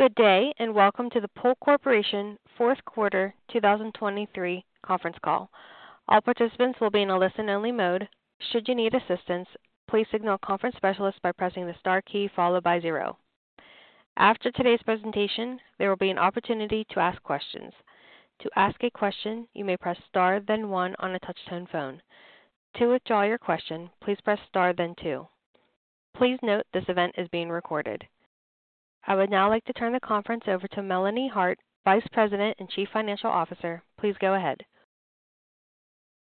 Good day and welcome to the Pool Corporation Fourth Quarter 2023 conference call. All participants will be in a listen-only mode. Should you need assistance, please signal Conference Specialist by pressing the star key followed by zero. After today's presentation, there will be an opportunity to ask questions. To ask a question, you may press star then one on a touch-tone phone. To withdraw your question, please press star then two. Please note this event is being recorded. I would now like to turn the conference over to Melanie Hart, Vice President and Chief Financial Officer. Please go ahead.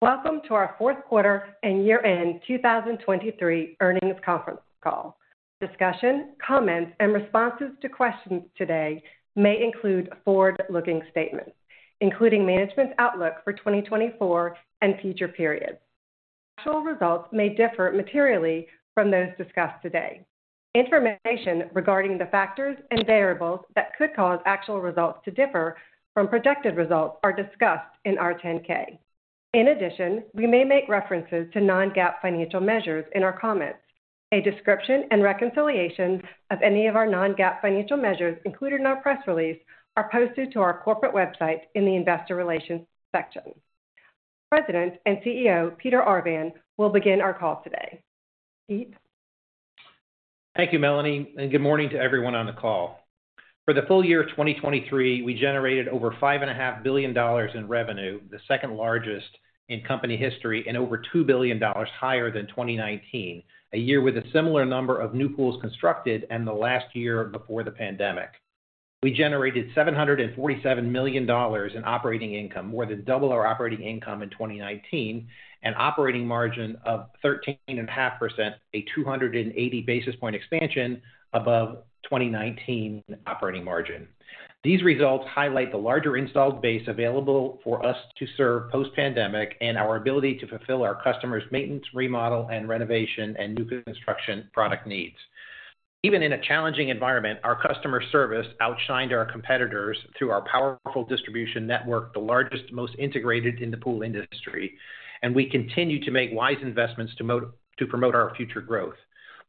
Welcome to our Fourth Quarter and Year-End 2023 Earnings Conference Call. Discussion, comments, and responses to questions today may include forward-looking statements, including management's outlook for 2024 and future periods. Actual results may differ materially from those discussed today. Information regarding the factors and variables that could cause actual results to differ from projected results are discussed in our 10-K. In addition, we may make references to non-GAAP financial measures in our comments. A description and reconciliation of any of our non-GAAP financial measures included in our press release are posted to our corporate website in the Investor Relations section. President and CEO Peter Arvan will begin our call today. Pete. Thank you, Melanie, and good morning to everyone on the call. For the full-year 2023, we generated over $5.5 billion in revenue, the second largest in company history, and over $2 billion higher than 2019, a year with a similar number of new pools constructed and the last year before the pandemic. We generated $747 million in operating income, more than double our operating income in 2019, an operating margin of 13.5%, a 280 basis point expansion above 2019 operating margin. These results highlight the larger installed base available for us to serve post-pandemic and our ability to fulfill our customers' maintenance, remodel, renovation, and new construction product needs. Even in a challenging environment, our customer service outshined our competitors through our powerful distribution network, the largest, most integrated in the pool industry, and we continue to make wise investments to promote our future growth.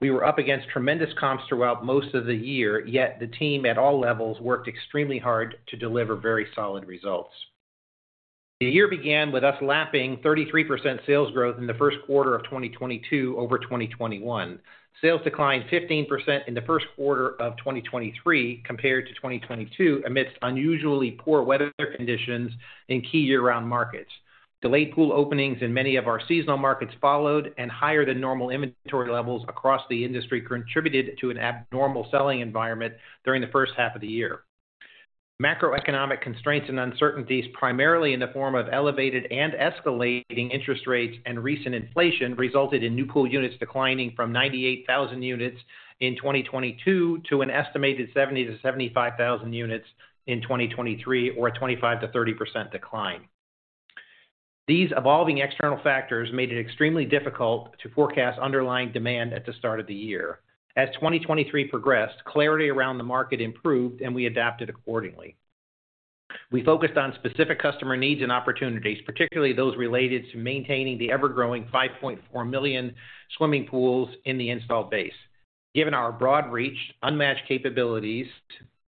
We were up against tremendous comps throughout most of the year, yet the team at all levels worked extremely hard to deliver very solid results. The year began with us lapping 33% sales growth in the first quarter of 2022 over 2021. Sales declined 15% in the first quarter of 2023 compared to 2022 amidst unusually poor weather conditions in key year-round markets. Delayed pool openings in many of our seasonal markets followed, and higher-than-normal inventory levels across the industry contributed to an abnormal selling environment during the first half of the year. Macroeconomic constraints and uncertainties, primarily in the form of elevated and escalating interest rates and recent inflation, resulted in new pool units declining from 98,000 units in 2022 to an estimated 70,000-75,000 units in 2023, or a 25%-30% decline. These evolving external factors made it extremely difficult to forecast underlying demand at the start of the year. As 2023 progressed, clarity around the market improved, and we adapted accordingly. We focused on specific customer needs and opportunities, particularly those related to maintaining the ever-growing 5.4 million swimming pools in the installed base. Given our broad reach, unmatched capabilities,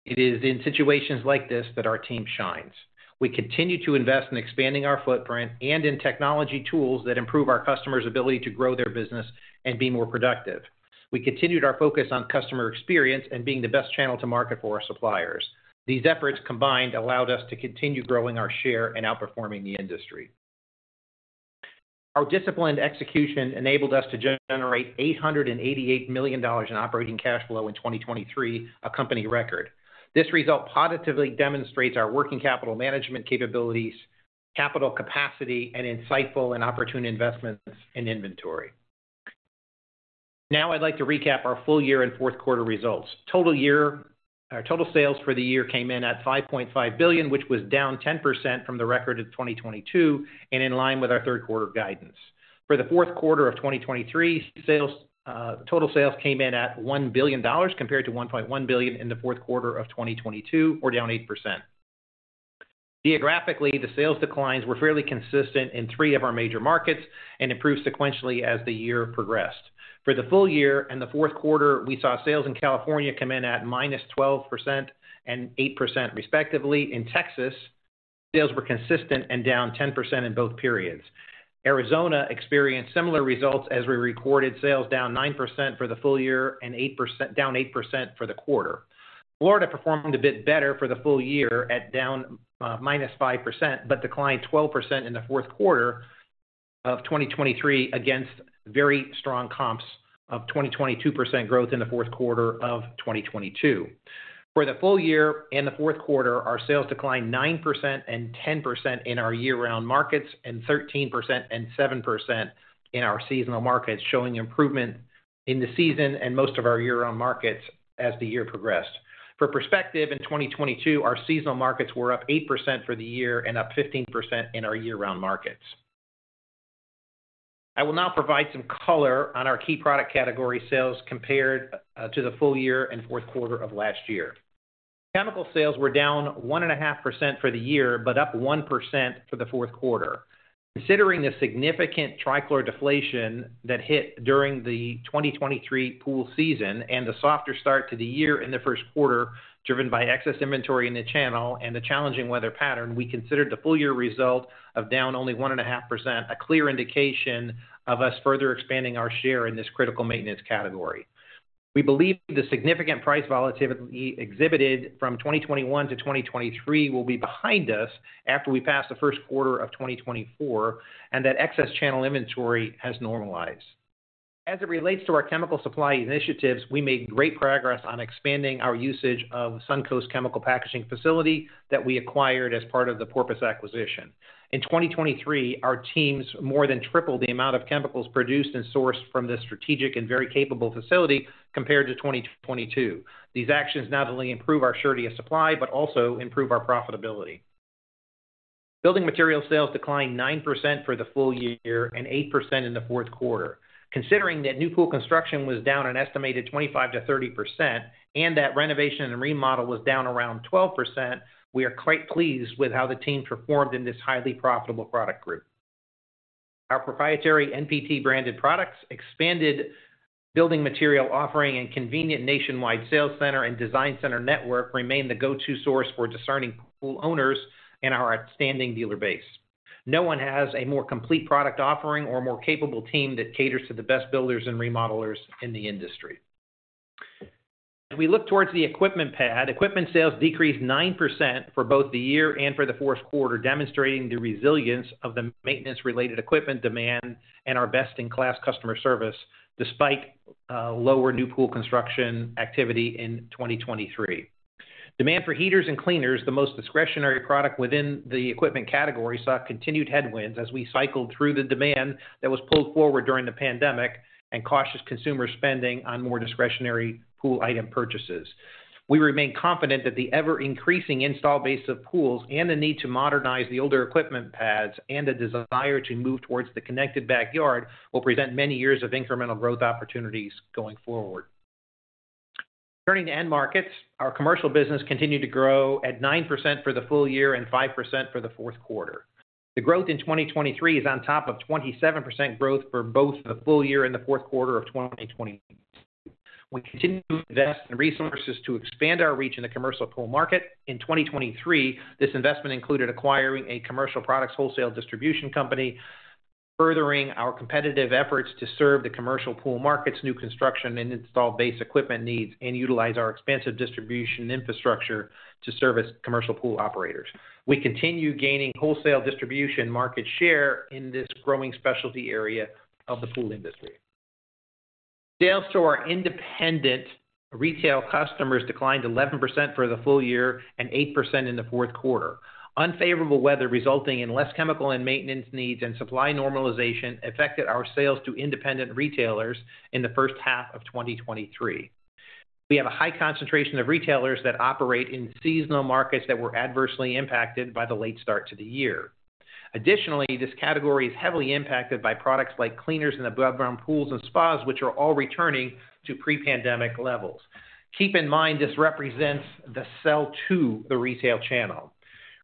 it is in situations like this that our team shines. We continue to invest in expanding our footprint and in technology tools that improve our customers' ability to grow their business and be more productive. We continued our focus on customer experience and being the best channel to market for our suppliers. These efforts combined allowed us to continue growing our share and outperforming the industry. Our disciplined execution enabled us to generate $888 million in operating cash flow in 2023, a company record. This result positively demonstrates our working capital management capabilities, capital capacity, and insightful and opportune investments in inventory. Now I'd like to recap our full year and fourth quarter results. Total sales for the year came in at $5.5 billion, which was down 10% from the record of 2022 and in line with our third quarter guidance. For the fourth quarter of 2023, total sales came in at $1 billion compared to $1.1 billion in the fourth quarter of 2022, or down 8%. Geographically, the sales declines were fairly consistent in three of our major markets and improved sequentially as the year progressed. For the full-year and the fourth quarter, we saw sales in California come in at -12% and 8%, respectively. In Texas, sales were consistent and down 10% in both periods. Arizona experienced similar results as we recorded, sales down 9% for the full-year and down 8% for the quarter. Florida performed a bit better for the full-year at down 5% but declined 12% in the fourth quarter of 2023 against very strong comps of 22% growth in the fourth quarter of 2022. For the full-year and the fourth quarter, our sales declined 9% and 10% in our year-round markets and 13% and 7% in our seasonal markets, showing improvement in the season and most of our year-round markets as the year progressed. For perspective, in 2022, our seasonal markets were up 8% for the year and up 15% in our year-round markets. I will now provide some color on our key product category sales compared to the full year and fourth quarter of last year. Chemical sales were down 1.5% for the year but up 1% for the fourth quarter. Considering the significant trichlor deflation that hit during the 2023 pool season and the softer start to the year in the first quarter, driven by excess inventory in the channel and the challenging weather pattern, we considered the full-year result of down only 1.5% a clear indication of us further expanding our share in this critical maintenance category. We believe the significant price volatility exhibited from 2021 to 2023 will be behind us after we pass the first quarter of 2024 and that excess channel inventory has normalized. As it relates to our chemical supply initiatives, we made great progress on expanding our usage of Suncoast Chemical Packaging Facility that we acquired as part of the Porpoise acquisition. In 2023, our teams more than tripled the amount of chemicals produced and sourced from this strategic and very capable facility compared to 2022. These actions not only improve our surety of supply but also improve our profitability. Building materials sales declined 9% for the full-year and 8% in the fourth quarter. Considering that new pool construction was down an estimated 25% to 30% and that renovation and remodel was down around 12%, we are quite pleased with how the team performed in this highly profitable product group. Our proprietary NPT-branded products, expanded building material offering, and convenient nationwide sales center and design center network remain the go-to source for discerning pool owners and our outstanding dealer base. No one has a more complete product offering or more capable team that caters to the best builders and remodelers in the industry. As we look towards the equipment pad, equipment sales decreased 9% for both the year and for the fourth quarter, demonstrating the resilience of the maintenance-related equipment demand and our best-in-class customer service despite lower new pool construction activity in 2023. Demand for heaters and cleaners, the most discretionary product within the equipment category, saw continued headwinds as we cycled through the demand that was pulled forward during the pandemic and cautious consumer spending on more discretionary pool item purchases. We remain confident that the ever-increasing install base of pools and the need to modernize the older equipment pads and the desire to move towards the connected backyard will present many years of incremental growth opportunities going forward. Returning to end markets, our commercial business continued to grow at 9% for the full-year and 5% for the fourth quarter. The growth in 2023 is on top of 27% growth for both the full-year and the fourth quarter of 2022. We continue to invest in resources to expand our reach in the commercial pool market. In 2023, this investment included acquiring a commercial products wholesale distribution company, furthering our competitive efforts to serve the commercial pool market's new construction and install base equipment needs, and utilize our expansive distribution infrastructure to service commercial pool operators. We continue gaining wholesale distribution market share in this growing specialty area of the pool industry. Sales to our independent retail customers declined 11% for the full-year and 8% in the fourth quarter. Unfavorable weather resulting in less chemical and maintenance needs and supply normalization affected our sales to independent retailers in the first half of 2023. We have a high concentration of retailers that operate in seasonal markets that were adversely impacted by the late start to the year. Additionally, this category is heavily impacted by products like cleaners in the above-ground pools and spas, which are all returning to pre-pandemic levels. Keep in mind this represents the sell-through of the retail channel.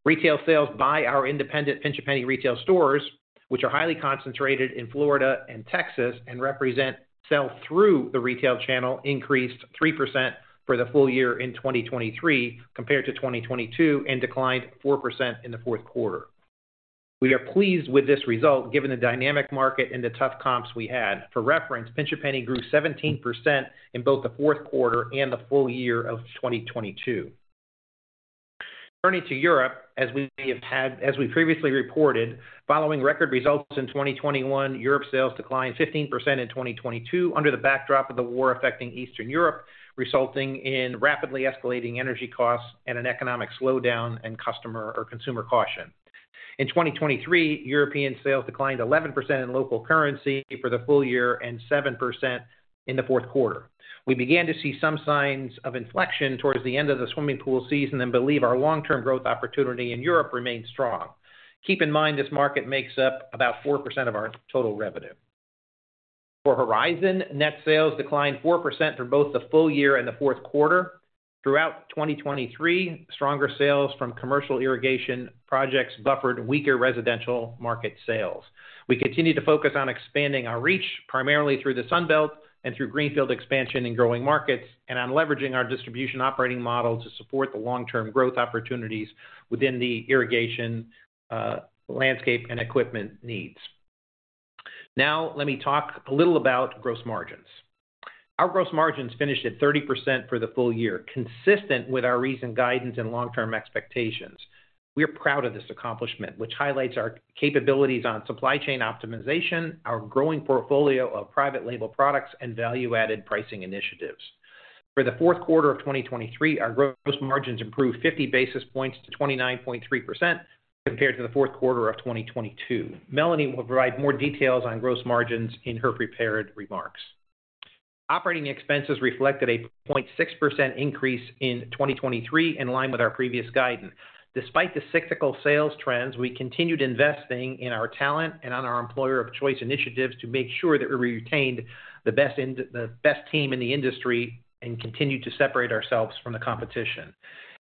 Retail sales by our independent Pinch A Penny retail stores, which are highly concentrated in Florida and Texas and represent sell-through of the retail channel, increased 3% for the full-year in 2023 compared to 2022 and declined 4% in the fourth quarter. We are pleased with this result given the dynamic market and the tough comps we had. For reference, Pinch A Penny grew 17% in both the fourth quarter and the full-year of 2022. Turning to Europe, as we previously reported, following record results in 2021, Europe's sales declined 15% in 2022 under the backdrop of the war affecting Eastern Europe, resulting in rapidly escalating energy costs and an economic slowdown in customer or consumer caution. In 2023, European sales declined 11% in local currency for the full-year and 7% in the fourth quarter. We began to see some signs of inflection towards the end of the swimming pool season and believe our long-term growth opportunity in Europe remains strong. Keep in mind this market makes up about 4% of our total revenue. For Horizon, net sales declined 4% for both the full-year and the fourth quarter. Throughout 2023, stronger sales from commercial irrigation projects buffered weaker residential market sales. We continue to focus on expanding our reach primarily through the Sunbelt and through greenfield expansion in growing markets and on leveraging our distribution operating model to support the long-term growth opportunities within the irrigation landscape and equipment needs. Now let me talk a little about gross margins. Our gross margins finished at 30% for the full year, consistent with our recent guidance and long-term expectations. We are proud of this accomplishment, which highlights our capabilities on supply chain optimization, our growing portfolio of private label products, and value-added pricing initiatives. For the fourth quarter of 2023, our gross margins improved 50 basis points to 29.3% compared to the fourth quarter of 2022. Melanie will provide more details on gross margins in her prepared remarks. Operating expenses reflected a 0.6% increase in 2023 in line with our previous guidance. Despite the cyclical sales trends, we continued investing in our talent and on our employer of choice initiatives to make sure that we retained the best team in the industry and continued to separate ourselves from the competition.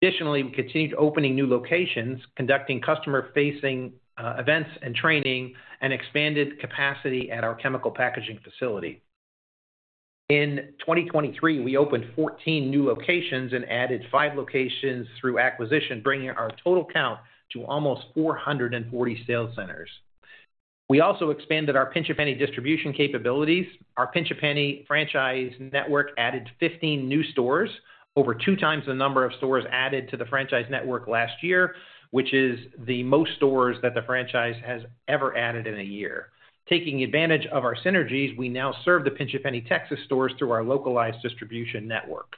Additionally, we continued opening new locations, conducting customer-facing events and training, and expanded capacity at our chemical packaging facility. In 2023, we opened 14 new locations and added 5 locations through acquisition, bringing our total count to almost 440 sales centers. We also expanded our Pinch A Penny distribution capabilities. Our Pinch A Penny franchise network added 15 new stores, over 2x the number of stores added to the franchise network last year, which is the most stores that the franchise has ever added in a year. Taking advantage of our synergies, we now serve the Pinch A Penny Texas stores through our localized distribution network.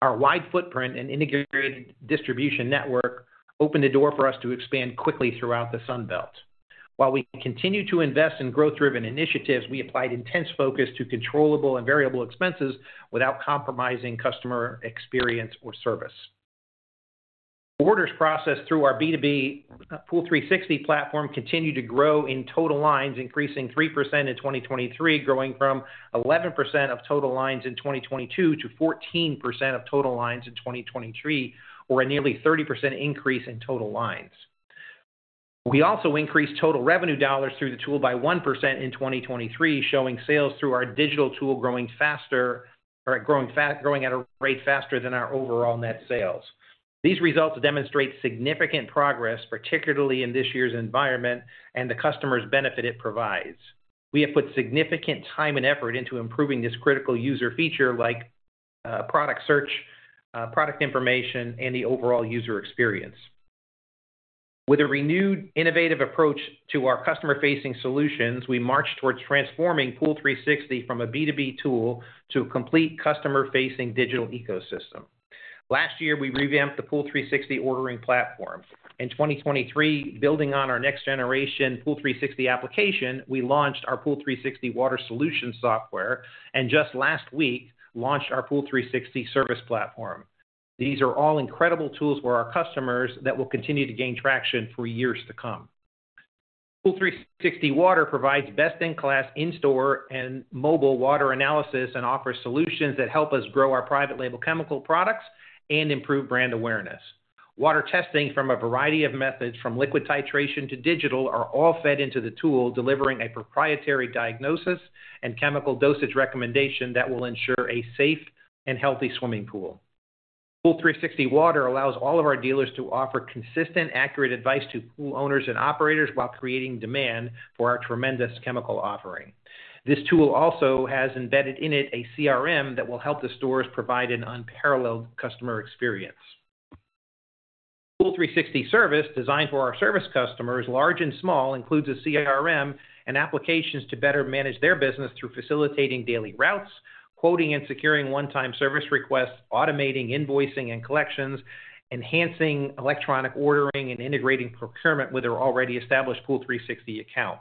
Our wide footprint and integrated distribution network opened the door for us to expand quickly throughout the Sunbelt. While we continue to invest in growth-driven initiatives, we applied intense focus to controllable and variable expenses without compromising customer experience or service. Orders processed through our B2B Pool360 platform continued to grow in total lines, increasing 3% in 2023, growing from 11% of total lines in 2022 to 14% of total lines in 2023, or a nearly 30% increase in total lines. We also increased total revenue dollars through the tool by 1% in 2023, showing sales through our digital tool growing faster or growing at a rate faster than our overall net sales. These results demonstrate significant progress, particularly in this year's environment and the customers' benefit it provides. We have put significant time and effort into improving this critical user feature like product search, product information, and the overall user experience. With a renewed, innovative approach to our customer-facing solutions, we marched towards transforming Pool360 from a B2B tool to a complete customer-facing digital ecosystem. Last year, we revamped the Pool360 ordering platform. In 2023, building on our next-generation Pool360 application, we launched our Pool360 Water Solutions software and just last week launched our Pool360 Service Platform. These are all incredible tools for our customers that will continue to gain traction for years to come. Pool360 Water provides best-in-class in-store and mobile water analysis and offers solutions that help us grow our private label chemical products and improve brand awareness. Water testing from a variety of methods, from liquid titration to digital, are all fed into the tool, delivering a proprietary diagnosis and chemical dosage recommendation that will ensure a safe and healthy swimming pool. Pool360 Water allows all of our dealers to offer consistent, accurate advice to pool owners and operators while creating demand for our tremendous chemical offering. This tool also has embedded in it a CRM that will help the stores provide an unparalleled customer experience. Pool360 Service, designed for our service customers, large and small, includes a CRM and applications to better manage their business through facilitating daily routes, quoting and securing one-time service requests, automating invoicing and collections, enhancing electronic ordering, and integrating procurement with their already established Pool360 account.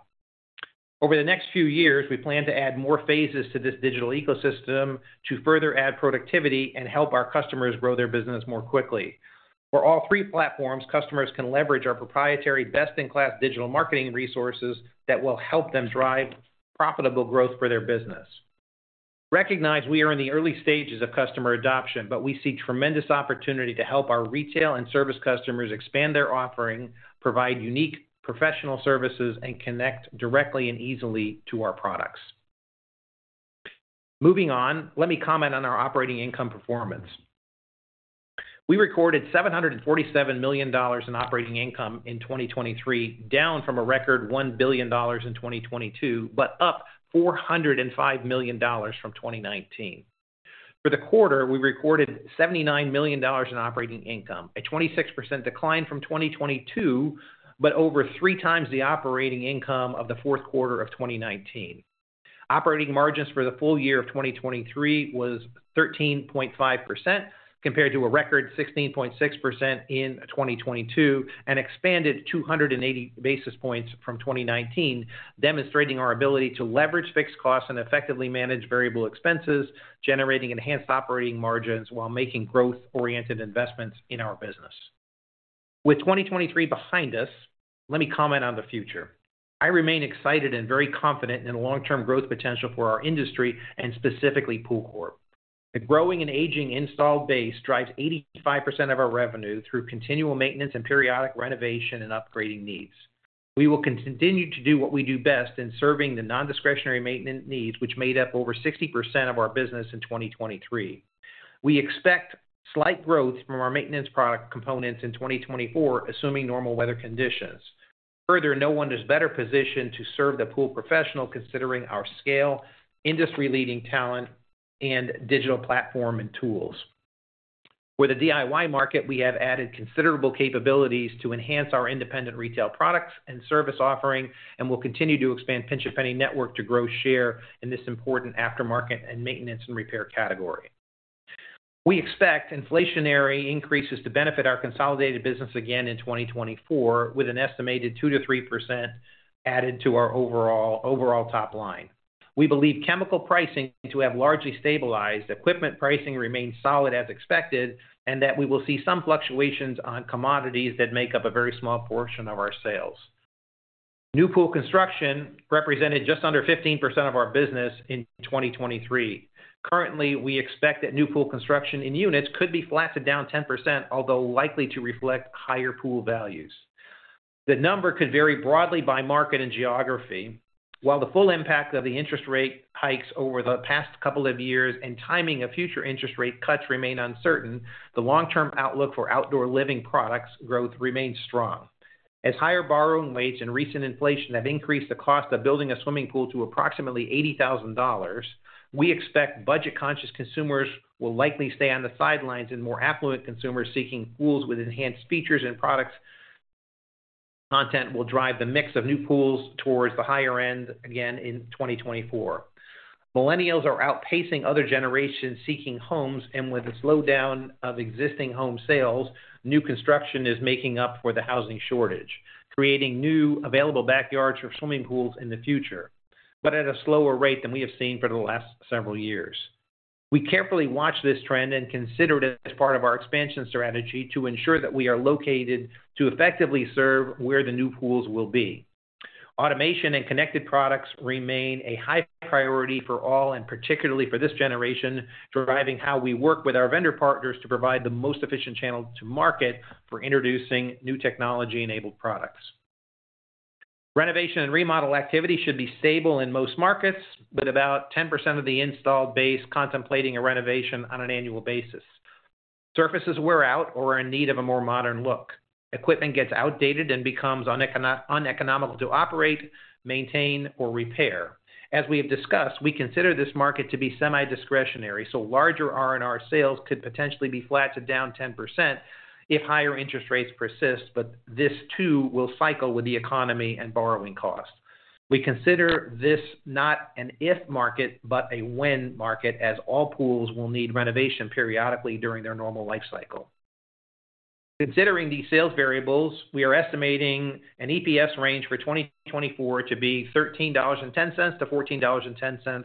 Over the next few years, we plan to add more phases to this digital ecosystem to further add productivity and help our customers grow their business more quickly. For all three platforms, customers can leverage our proprietary best-in-class digital marketing resources that will help them drive profitable growth for their business. Recognize we are in the early stages of customer adoption, but we see tremendous opportunity to help our retail and service customers expand their offering, provide unique professional services, and connect directly and easily to our products. Moving on, let me comment on our operating income performance. We recorded $747 million in operating income in 2023, down from a record $1 billion in 2022 but up $405 million from 2019. For the quarter, we recorded $79 million in operating income, a 26% decline from 2022 but over 3x the operating income of the fourth quarter of 2019. Operating margins for the full-year of 2023 was 13.5% compared to a record 16.6% in 2022 and expanded 280 basis points from 2019, demonstrating our ability to leverage fixed costs and effectively manage variable expenses, generating enhanced operating margins while making growth-oriented investments in our business. With 2023 behind us, let me comment on the future. I remain excited and very confident in the long-term growth potential for our industry and specifically PoolCorp. The growing and aging install base drives 85% of our revenue through continual maintenance and periodic renovation and upgrading needs. We will continue to do what we do best in serving the nondiscretionary maintenance needs, which made up over 60% of our business in 2023. We expect slight growth from our maintenance product components in 2024, assuming normal weather conditions. Further, no one is better positioned to serve the pool professional considering our scale, industry-leading talent, and digital platform and tools. For the DIY market, we have added considerable capabilities to enhance our independent retail products and service offering and will continue to expand Pinch A Penny network to grow share in this important aftermarket and maintenance and repair category. We expect inflationary increases to benefit our consolidated business again in 2024 with an estimated 2% to 3% added to our overall top line. We believe chemical pricing to have largely stabilized, equipment pricing remains solid as expected, and that we will see some fluctuations on commodities that make up a very small portion of our sales. New pool construction represented just under 15% of our business in 2023. Currently, we expect that new pool construction in units could be flattened down 10%, although likely to reflect higher pool values. The number could vary broadly by market and geography. While the full impact of the interest rate hikes over the past couple of years and timing of future interest rate cuts remain uncertain, the long-term outlook for outdoor living products growth remains strong. As higher borrowing rates and recent inflation have increased the cost of building a swimming pool to approximately $80,000, we expect budget-conscious consumers will likely stay on the sidelines and more affluent consumers seeking pools with enhanced features and products content will drive the mix of new pools towards the higher end again in 2024. Millennials are outpacing other generations seeking homes, and with the slowdown of existing home sales, new construction is making up for the housing shortage, creating new available backyards or swimming pools in the future, but at a slower rate than we have seen for the last several years. We carefully watch this trend and considered it as part of our expansion strategy to ensure that we are located to effectively serve where the new pools will be. Automation and connected products remain a high priority for all and particularly for this generation, driving how we work with our vendor partners to provide the most efficient channel to market for introducing new technology-enabled products. Renovation and remodel activity should be stable in most markets, with about 10% of the installed base contemplating a renovation on an annual basis. Surfaces wear out or are in need of a more modern look. Equipment gets outdated and becomes uneconomical to operate, maintain, or repair. As we have discussed, we consider this market to be semi-discretionary, so larger R&R sales could potentially be flattened down 10% if higher interest rates persist, but this too will cycle with the economy and borrowing costs. We consider this not an if market but a when market as all pools will need renovation periodically during their normal life cycle. Considering these sales variables, we are estimating an EPS range for 2024 to be $13.10 to $14.10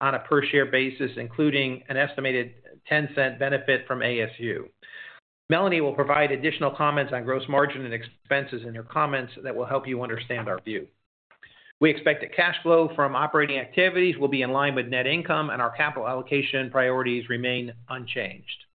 on a per-share basis, including an estimated $0.10 benefit from ASU. Melanie will provide additional comments on gross margin and expenses in her comments that will help you understand our view. We expect that cash flow from operating activities will be in line with net income, and our capital allocation priorities remain unchanged.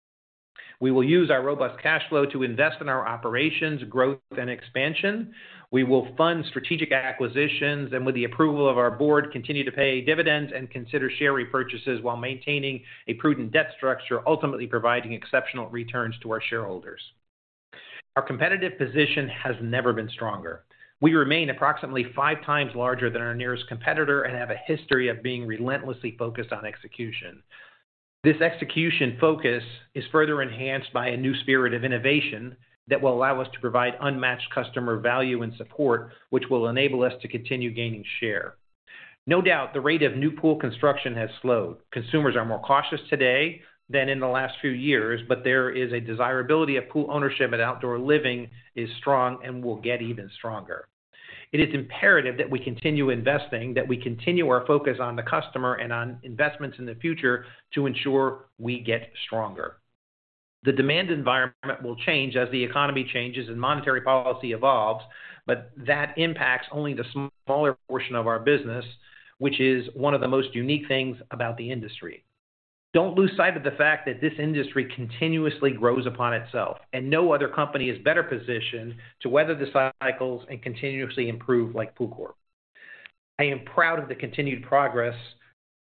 We will use our robust cash flow to invest in our operations, growth, and expansion. We will fund strategic acquisitions and, with the approval of our board, continue to pay dividends and consider share repurchases while maintaining a prudent debt structure, ultimately providing exceptional returns to our shareholders. Our competitive position has never been stronger. We remain approximately 5x larger than our nearest competitor and have a history of being relentlessly focused on execution. This execution focus is further enhanced by a new spirit of innovation that will allow us to provide unmatched customer value and support, which will enable us to continue gaining share. No doubt, the rate of new pool construction has slowed. Consumers are more cautious today than in the last few years, but there is a desirability of pool ownership and outdoor living is strong and will get even stronger. It is imperative that we continue investing, that we continue our focus on the customer and on investments in the future to ensure we get stronger. The demand environment will change as the economy changes and monetary policy evolves, but that impacts only the smaller portion of our business, which is one of the most unique things about the industry. Don't lose sight of the fact that this industry continuously grows upon itself, and no other company is better positioned to weather the cycles and continuously improve like PoolCorp.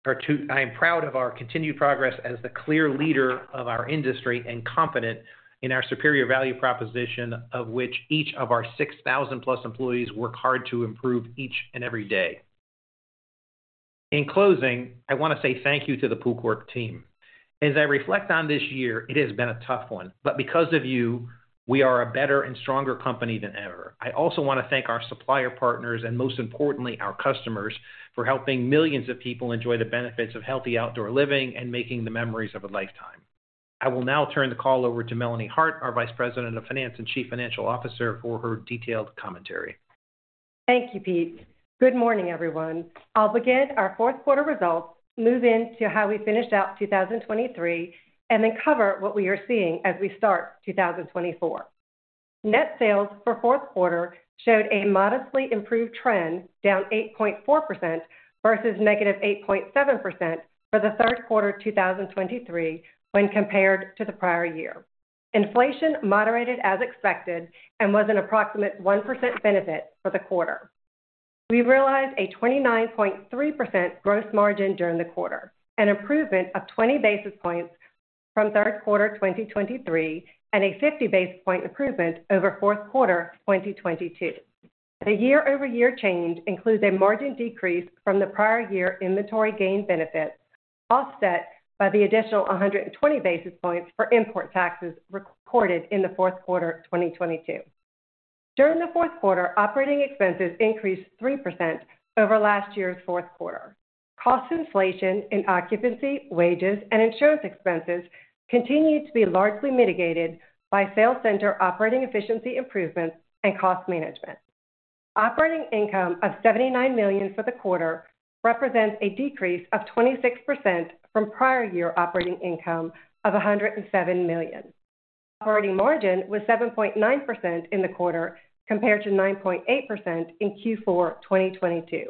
I am proud of our continued progress as the clear leader of our industry and confident in our superior value proposition of which each of our 6,000-plus employees work hard to improve each and every day. In closing, I want to say thank you to the PoolCorp team. As I reflect on this year, it has been a tough one, but because of you, we are a better and stronger company than ever. I also want to thank our supplier partners and, most importantly, our customers for helping millions of people enjoy the benefits of healthy outdoor living and making the memories of a lifetime. I will now turn the call over to Melanie Hart, our Vice President of Finance and Chief Financial Officer, for her detailed commentary. Thank you, Pete. Good morning, everyone. I'll begin our fourth quarter results, move into how we finished out 2023, and then cover what we are seeing as we start 2024. Net sales for fourth quarter showed a modestly improved trend, down 8.4% versus -8.7% for the third quarter 2023 when compared to the prior year. Inflation moderated as expected and was an approximate 1% benefit for the quarter. We realized a 29.3% gross margin during the quarter, an improvement of 20 basis points from third quarter 2023 and a 50-basis point improvement over fourth quarter of 2022. The year-over-year change includes a margin decrease from the prior year inventory gain benefits offset by the additional 120 basis points for import taxes recorded in the fourth quarter of 2022. During the fourth quarter, operating expenses increased 3% over last year's fourth quarter. Cost inflation in occupancy, wages, and insurance expenses continued to be largely mitigated by sales center operating efficiency improvements and cost management. Operating income of $79 million for the quarter represents a decrease of 26% from prior year operating income of $107 million. Operating margin was 7.9% in the quarter compared to 9.8% in Q4 of 2022.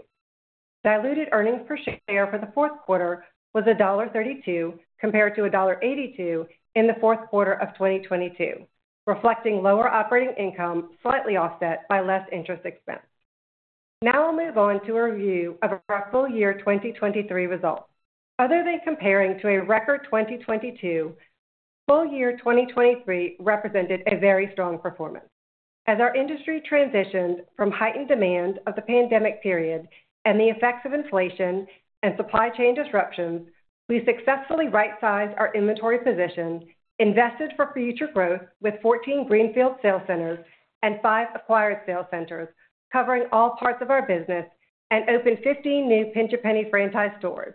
Diluted earnings per share for the fourth quarter was $1.32 compared to $1.82 in the fourth quarter of 2022, reflecting lower operating income slightly offset by less interest expense. Now I'll move on to a review of our full-year 2023 results. Other than comparing to a record 2022, full-year 2023 represented a very strong performance. As our industry transitioned from heightened demand of the pandemic period and the effects of inflation and supply chain disruptions, we have successfully right-sized our inventory position, invested for future growth with 14 greenfield sales centers and five acquired sales centers covering all parts of our business, and opened 15 new Pinch A Penny franchise stores,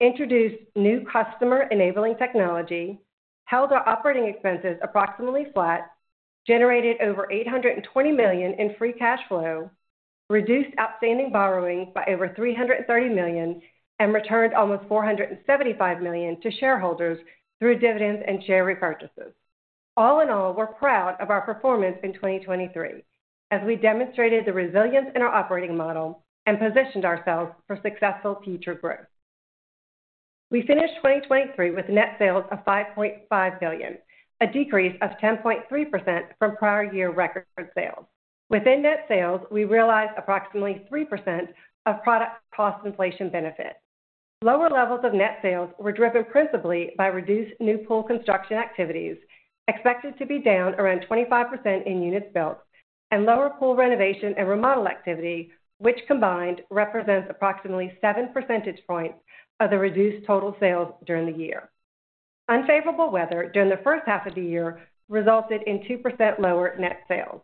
introduced new customer-enabling technology, held our operating expenses approximately flat, generated over $820 million in free cash flow, reduced outstanding borrowing by over $330 million, and returned almost $475 million to shareholders through dividends and share repurchases. All in all, we're proud of our performance in 2023 as we demonstrated the resilience in our operating model and positioned ourselves for successful future growth. We finished 2023 with net sales of $5.5 billion, a decrease of 10.3% from prior year record sales. Within net sales, we realized approximately 3% of product cost inflation benefit. Lower levels of net sales were driven principally by reduced new pool construction activities, expected to be down around 25% in units built, and lower pool renovation and remodel activity, which combined represents approximately 7 percentage points of the reduced total sales during the year. Unfavorable weather during the first half of the year resulted in 2% lower net sales.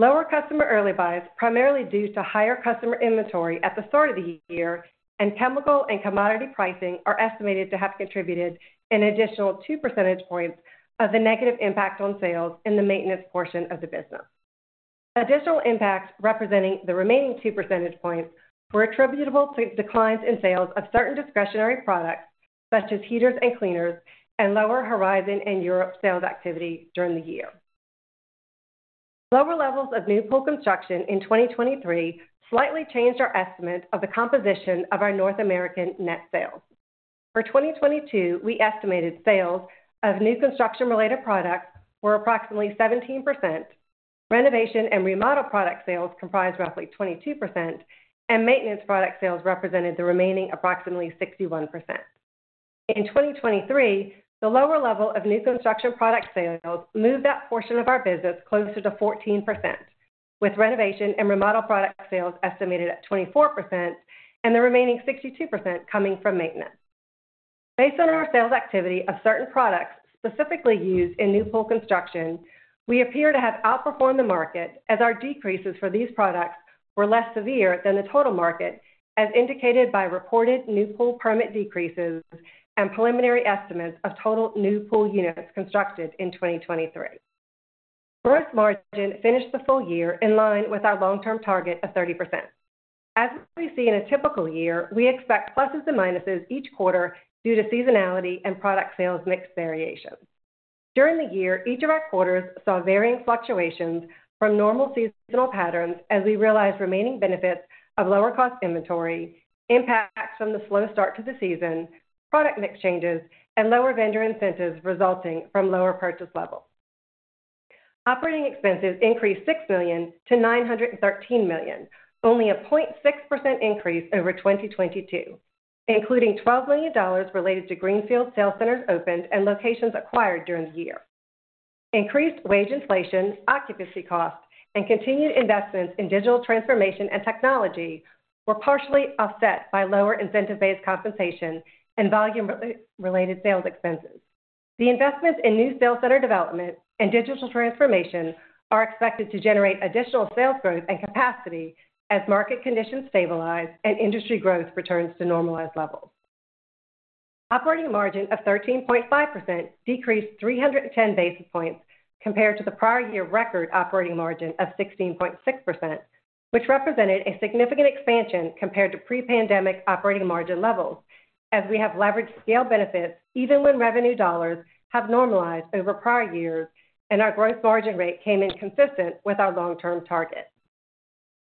Lower customer early buys primarily due to higher customer inventory at the start of the year, and chemical and commodity pricing are estimated to have contributed an additional 2 percentage points of the negative impact on sales in the maintenance portion of the business. Additional impacts representing the remaining 2 percentage points were attributable to declines in sales of certain discretionary products such as heaters and cleaners and lower Horizon and Europe sales activity during the year. Lower levels of new pool construction in 2023 slightly changed our estimate of the composition of our North American net sales. For 2022, we estimated sales of new construction-related products were approximately 17%, renovation and remodel product sales comprised roughly 22%, and maintenance product sales represented the remaining approximately 61%. In 2023, the lower level of new construction product sales moved that portion of our business closer to 14%, with renovation and remodel product sales estimated at 24% and the remaining 62% coming from maintenance. Based on our sales activity of certain products specifically used in new pool construction, we appear to have outperformed the market as our decreases for these products were less severe than the total market, as indicated by reported new pool permit decreases and preliminary estimates of total new pool units constructed in 2023. Gross margin finished the full-year in line with our long-term target of 30%. As we see in a typical year, we expect pluses and minuses each quarter due to seasonality and product sales mix variations. During the year, each of our quarters saw varying fluctuations from normal seasonal patterns as we realized remaining benefits of lower cost inventory, impacts from the slow start to the season, product mix changes, and lower vendor incentives resulting from lower purchase levels. Operating expenses increased $6 million to $913 million, only a 0.6% increase over 2022, including $12 million related to greenfield sales centers opened and locations acquired during the year. Increased wage inflation, occupancy costs, and continued investments in digital transformation and technology were partially offset by lower incentive-based compensation and volume-related sales expenses. The investments in new sales center development and digital transformation are expected to generate additional sales growth and capacity as market conditions stabilize and industry growth returns to normalized levels. Operating margin of 13.5% decreased 310 basis points compared to the prior year record operating margin of 16.6%, which represented a significant expansion compared to pre-pandemic operating margin levels as we have leveraged scale benefits even when revenue dollars have normalized over prior years and our gross margin rate came in consistent with our long-term target.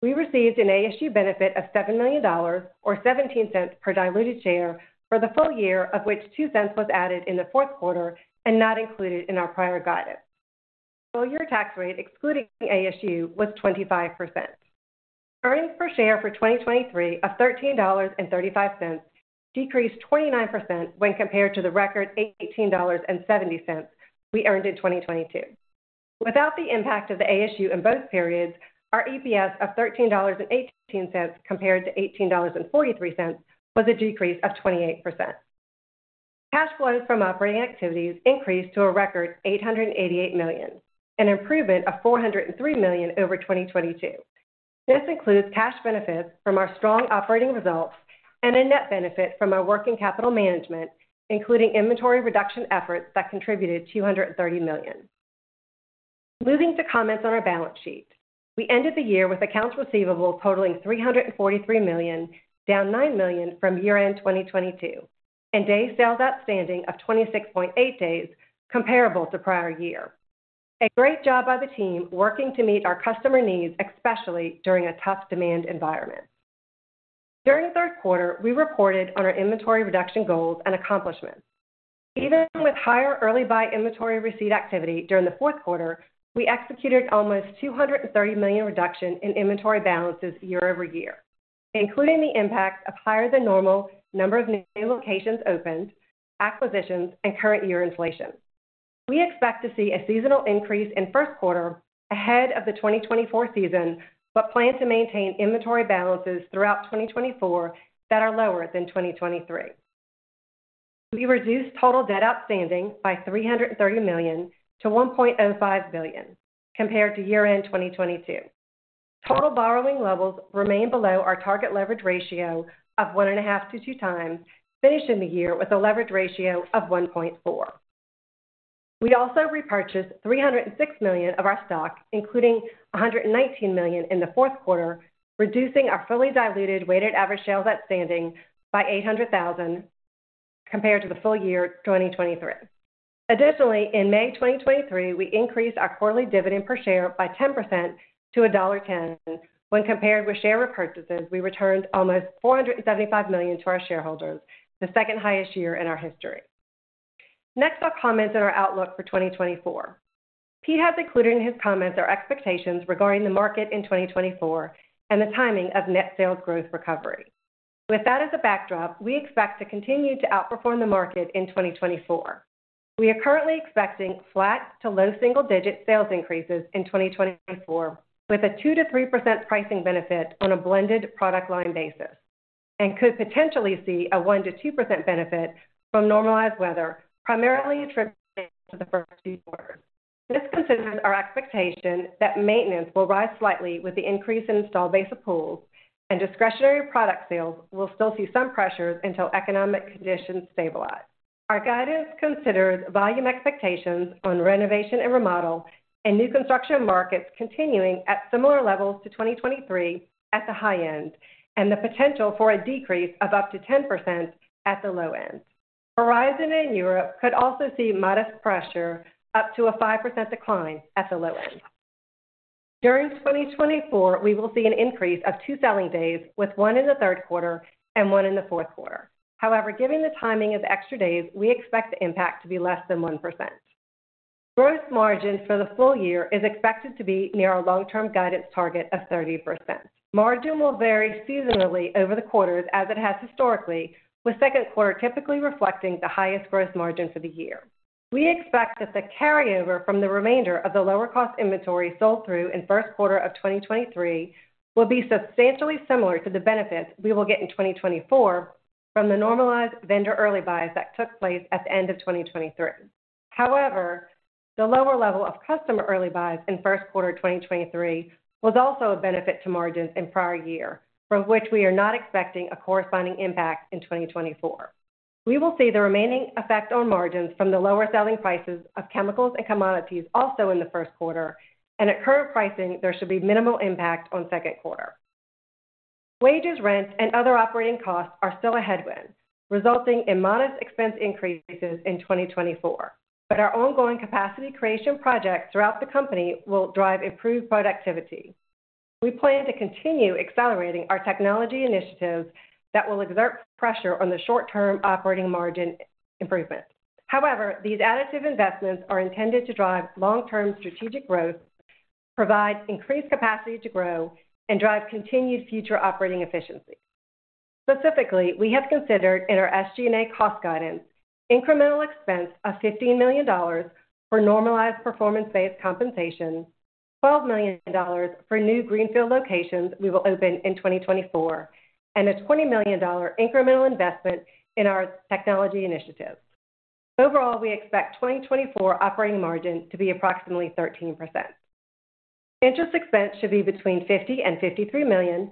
We received an ASU benefit of $7 million or $0.17 per diluted share for the full-year, of which $0.02 was added in the fourth quarter and not included in our prior guidance. Full-year tax rate, excluding ASU, was 25%. Earnings per share for 2023 of $13.35 decreased 29% when compared to the record $18.70 we earned in 2022. Without the impact of the ASU in both periods, our EPS of $13.18 compared to $18.43 was a decrease of 28%. Cash flows from operating activities increased to a record $888 million, an improvement of $403 million over 2022. This includes cash benefits from our strong operating results and a net benefit from our working capital management, including inventory reduction efforts that contributed $230 million. Moving to comments on our balance sheet, we ended the year with accounts receivable totaling $343 million, down $9 million from year-end 2022, and day sales outstanding of 26.8 days comparable to prior year. A great job by the team working to meet our customer needs, especially during a tough demand environment. During third quarter, we reported on our inventory reduction goals and accomplishments. Even with higher early buy inventory receipt activity during the fourth quarter, we executed almost $230 million reduction in inventory balances year-over-year, including the impacts of higher-than-normal number of new locations opened, acquisitions, and current year inflation. We expect to see a seasonal increase in first quarter ahead of the 2024 season but plan to maintain inventory balances throughout 2024 that are lower than 2023. We reduced total debt outstanding by $330 million to $1.05 billion compared to year-end 2022. Total borrowing levels remain below our target leverage ratio of 1.5x to 2x, finishing the year with a leverage ratio of 1.4. We also repurchased $306 million of our stock, including $119 million in the fourth quarter, reducing our fully diluted weighted average shares outstanding by $800,000 compared to the full-year 2023. Additionally, in May 2023, we increased our quarterly dividend per share by 10% to $1.10. When compared with share repurchases, we returned almost $475 million to our shareholders, the second highest year in our history. Next, I'll comment on our outlook for 2024. Pete has included in his comments our expectations regarding the market in 2024 and the timing of net sales growth recovery. With that as a backdrop, we expect to continue to outperform the market in 2024. We are currently expecting flat to low single-digit sales increases in 2024 with a 2% to 3% pricing benefit on a blended product line basis and could potentially see a 1% to 2% benefit from normalized weather, primarily attributed to the first two quarters. This considers our expectation that maintenance will rise slightly with the increase in installed base of pools, and discretionary product sales will still see some pressures until economic conditions stabilize. Our guidance considers volume expectations on renovation and remodel and new construction markets continuing at similar levels to 2023 at the high end and the potential for a decrease of up to 10% at the low end. Horizon and Europe could also see modest pressure up to a 5% decline at the low end. During 2024, we will see an increase of two selling days, with one in the third quarter and one in the fourth quarter. However, given the timing of extra days, we expect the impact to be less than 1%. Gross margin for the full-year is expected to be near our long-term guidance target of 30%. Margin will vary seasonally over the quarters as it has historically, with second quarter typically reflecting the highest gross margin for the year. We expect that the carryover from the remainder of the lower cost inventory sold through in first quarter of 2023 will be substantially similar to the benefits we will get in 2024 from the normalized vendor early buys that took place at the end of 2023. However, the lower level of customer early buys in first quarter 2023 was also a benefit to margins in prior year, from which we are not expecting a corresponding impact in 2024. We will see the remaining effect on margins from the lower selling prices of chemicals and commodities also in the first quarter, and at current pricing, there should be minimal impact on second quarter. Wages, rent, and other operating costs are still a headwind, resulting in modest expense increases in 2024, but our ongoing capacity creation projects throughout the company will drive improved productivity. We plan to continue accelerating our technology initiatives that will exert pressure on the short-term operating margin improvement. However, these additive investments are intended to drive long-term strategic growth, provide increased capacity to grow, and drive continued future operating efficiency. Specifically, we have considered in our SG&A cost guidance incremental expense of $15 million for normalized performance-based compensation, $12 million for new greenfield locations we will open in 2024, and a $20 million incremental investment in our technology initiatives. Overall, we expect 2024 operating margin to be approximately 13%. Interest expense should be between $50 million and $53 million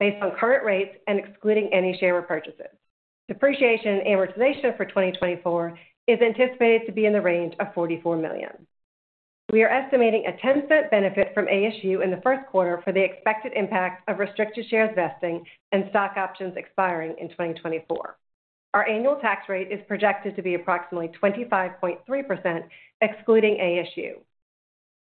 based on current rates and excluding any share repurchases. Depreciation and amortization for 2024 is anticipated to be in the range of $44 million. We are estimating a $0.10 benefit from ASU in the first quarter for the expected impact of restricted shares vesting and stock options expiring in 2024. Our annual tax rate is projected to be approximately 25.3%, excluding ASU.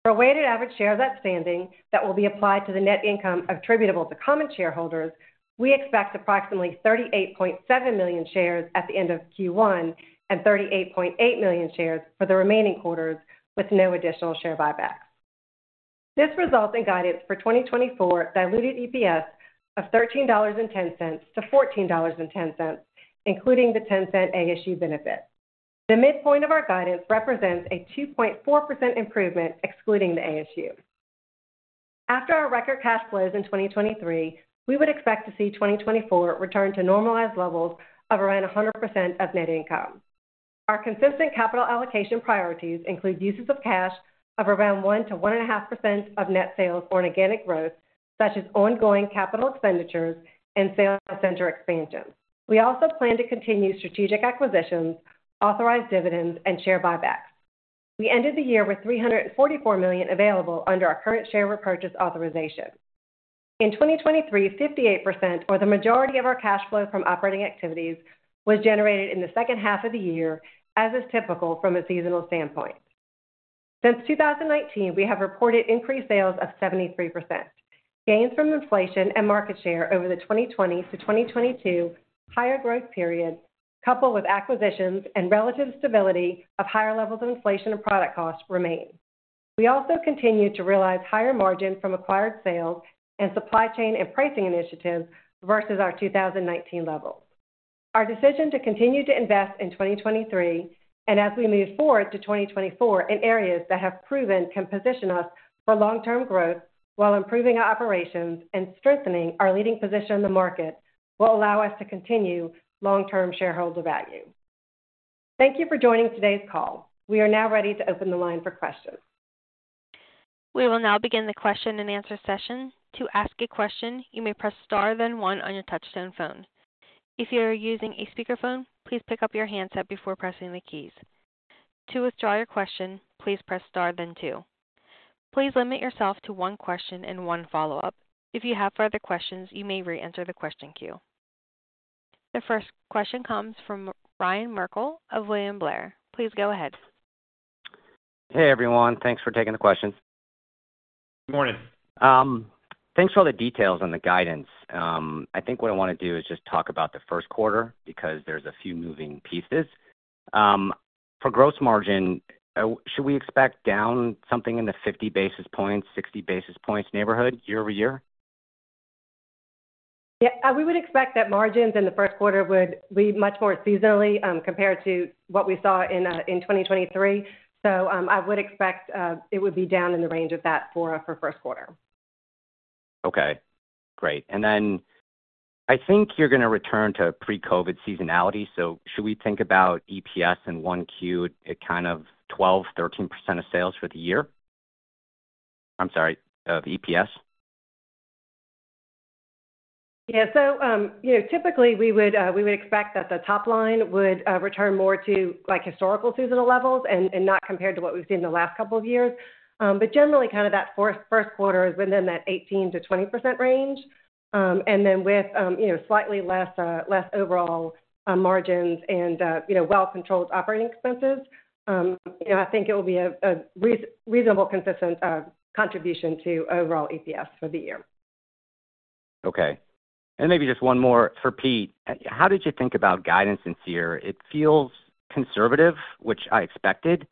For weighted average shares outstanding that will be applied to the net income attributable to common shareholders, we expect approximately 38.7 million shares at the end of Q1 and 38.8 million shares for the remaining quarters with no additional share buybacks. This results in guidance for 2024 diluted EPS of $13.10 to $14.10, including the $0.10 ASU benefit. The midpoint of our guidance represents a 2.4% improvement excluding the ASU. After our record cash flows in 2023, we would expect to see 2024 return to normalized levels of around 100% of net income. Our consistent capital allocation priorities include uses of cash of around 1% to 1.5% of net sales or organic growth, such as ongoing capital expenditures and sales center expansions. We also plan to continue strategic acquisitions, authorized dividends, and share buybacks. We ended the year with $344 million available under our current share repurchase authorization. In 2023, 58% or the majority of our cash flow from operating activities was generated in the second half of the year, as is typical from a seasonal standpoint. Since 2019, we have reported increased sales of 73%. Gains from inflation and market share over the 2020 to 2022 higher growth periods, coupled with acquisitions and relative stability of higher levels of inflation and product costs, remain. We also continue to realize higher margin from acquired sales and supply chain and pricing initiatives versus our 2019 levels. Our decision to continue to invest in 2023 and as we move forward to 2024 in areas that have proven can position us for long-term growth while improving our operations and strengthening our leading position in the market will allow us to continue long-term shareholder value. Thank you for joining today's call. We are now ready to open the line for questions. We will now begin the question and answer session. To ask a question, you may press star then one on your touch-tone phone. If you are using a speakerphone, please pick up your handset before pressing the keys. To withdraw your question, please press star then two. Please limit yourself to one question and one follow-up. If you have further questions, you may re-enter the question queue. The first question comes from Ryan Merkel of William Blair. Please go ahead. Hey, everyone. Thanks for taking the question. Good morning. Thanks for all the details and the guidance. I think what I want to do is just talk about the first quarter because there's a few moving pieces. For gross margin, should we expect down something in the 50 basis points, 60 basis points neighborhood year-over-year? Yeah, we would expect that margins in the first quarter would be much more seasonally compared to what we saw in 2023. So I would expect it would be down in the range of that for first quarter. Okay. Great. And then I think you're going to return to pre-COVID seasonality. So should we think about EPS in 1Q, kind of 12% to 13% of sales for the year, I'm sorry, of EPS? Yeah. So typically, we would expect that the top line would return more to historical seasonal levels and not compared to what we've seen in the last couple of years. But generally, kind of that first quarter has been in that 18% to 20% range. And then with slightly less overall margins and well-controlled operating expenses, I think it will be a reasonable, consistent contribution to overall EPS for the year. Okay. Maybe just one more for Pete. How did you think about guidance this year? It feels conservative, which I expected.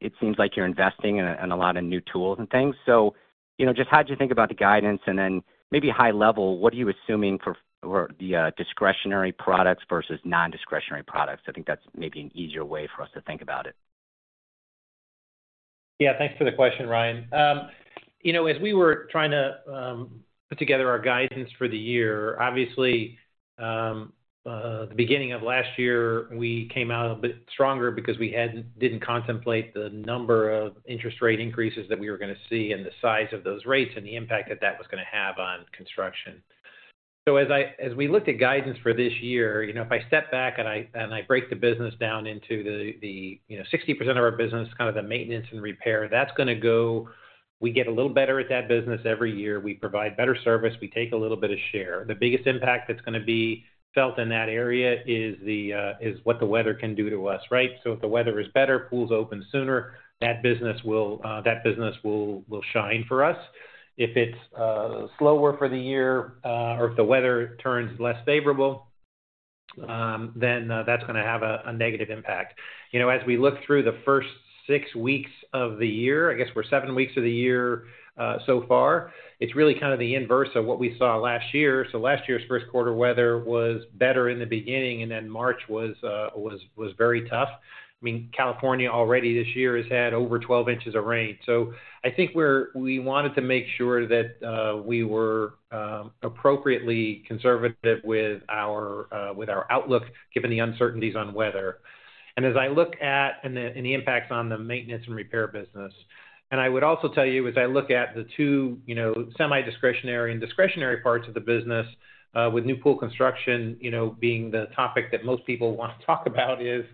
It seems like you're investing in a lot of new tools and things. So just how did you think about the guidance? And then maybe high level, what are you assuming for the discretionary products versus non-discretionary products? I think that's maybe an easier way for us to think about it. Yeah, thanks for the question, Ryan. As we were trying to put together our guidance for the year, obviously, the beginning of last year, we came out a bit stronger because we didn't contemplate the number of interest rate increases that we were going to see and the size of those rates and the impact that that was going to have on construction. So as we looked at guidance for this year, if I step back and I break the business down into the 60% of our business, kind of the maintenance and repair, that's going to go. We get a little better at that business every year. We provide better service. We take a little bit of share. The biggest impact that's going to be felt in that area is what the weather can do to us, right? So if the weather is better, pools open sooner, that business will shine for us. If it's slower for the year or if the weather turns less favorable, then that's going to have a negative impact. As we look through the first six weeks of the year, I guess we're seven weeks of the year so far. It's really kind of the inverse of what we saw last year. So last year's first quarter weather was better in the beginning, and then March was very tough. I mean, California already this year has had over 12 inches of rain. So I think we wanted to make sure that we were appropriately conservative with our outlook given the uncertainties on weather. And as I look at the impacts on the maintenance and repair business and I would also tell you, as I look at the two semi-discretionary and discretionary parts of the business, with new pool construction being the topic that most people want to talk about is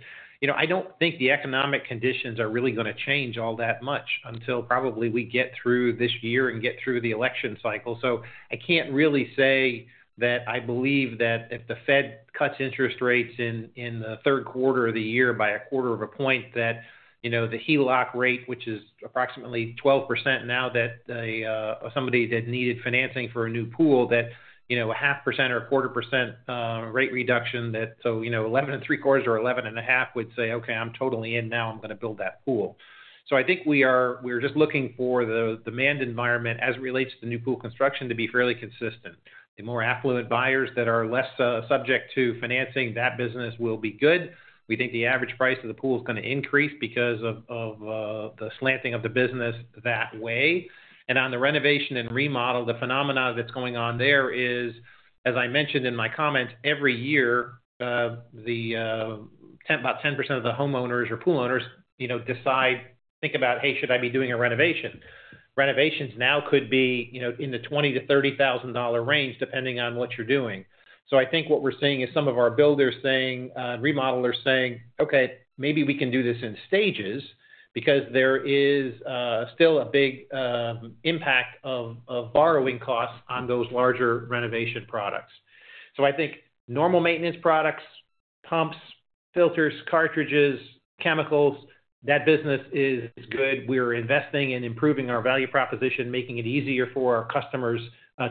I don't think the economic conditions are really going to change all that much until probably we get through this year and get through the election cycle. So I can't really say that I believe that if the Fed cuts interest rates in the third quarter of the year by 0.25 of a point, that the HELOC rate, which is approximately 12% now, that somebody that needed financing for a new pool, that a 0.5% or 0.25% rate reduction that so 11.75% or 11.5% would say, "Okay, I'm totally in now. I'm going to build that pool." So I think we are just looking for the demand environment as it relates to the new pool construction to be fairly consistent. The more affluent buyers that are less subject to financing, that business will be good. We think the average price of the pool is going to increase because of the slanting of the business that way. And on the renovation and remodel, the phenomenon that's going on there is, as I mentioned in my comments, every year, about 10% of the homeowners or pool owners decide, think about, "Hey, should I be doing a renovation?" Renovations now could be in the $20,000 to $30,000 range depending on what you're doing. So I think what we're seeing is some of our builders saying remodelers saying, "Okay, maybe we can do this in stages," because there is still a big impact of borrowing costs on those larger renovation products. So I think normal maintenance products, pumps, filters, cartridges, chemicals, that business is good. We're investing in improving our value proposition, making it easier for our customers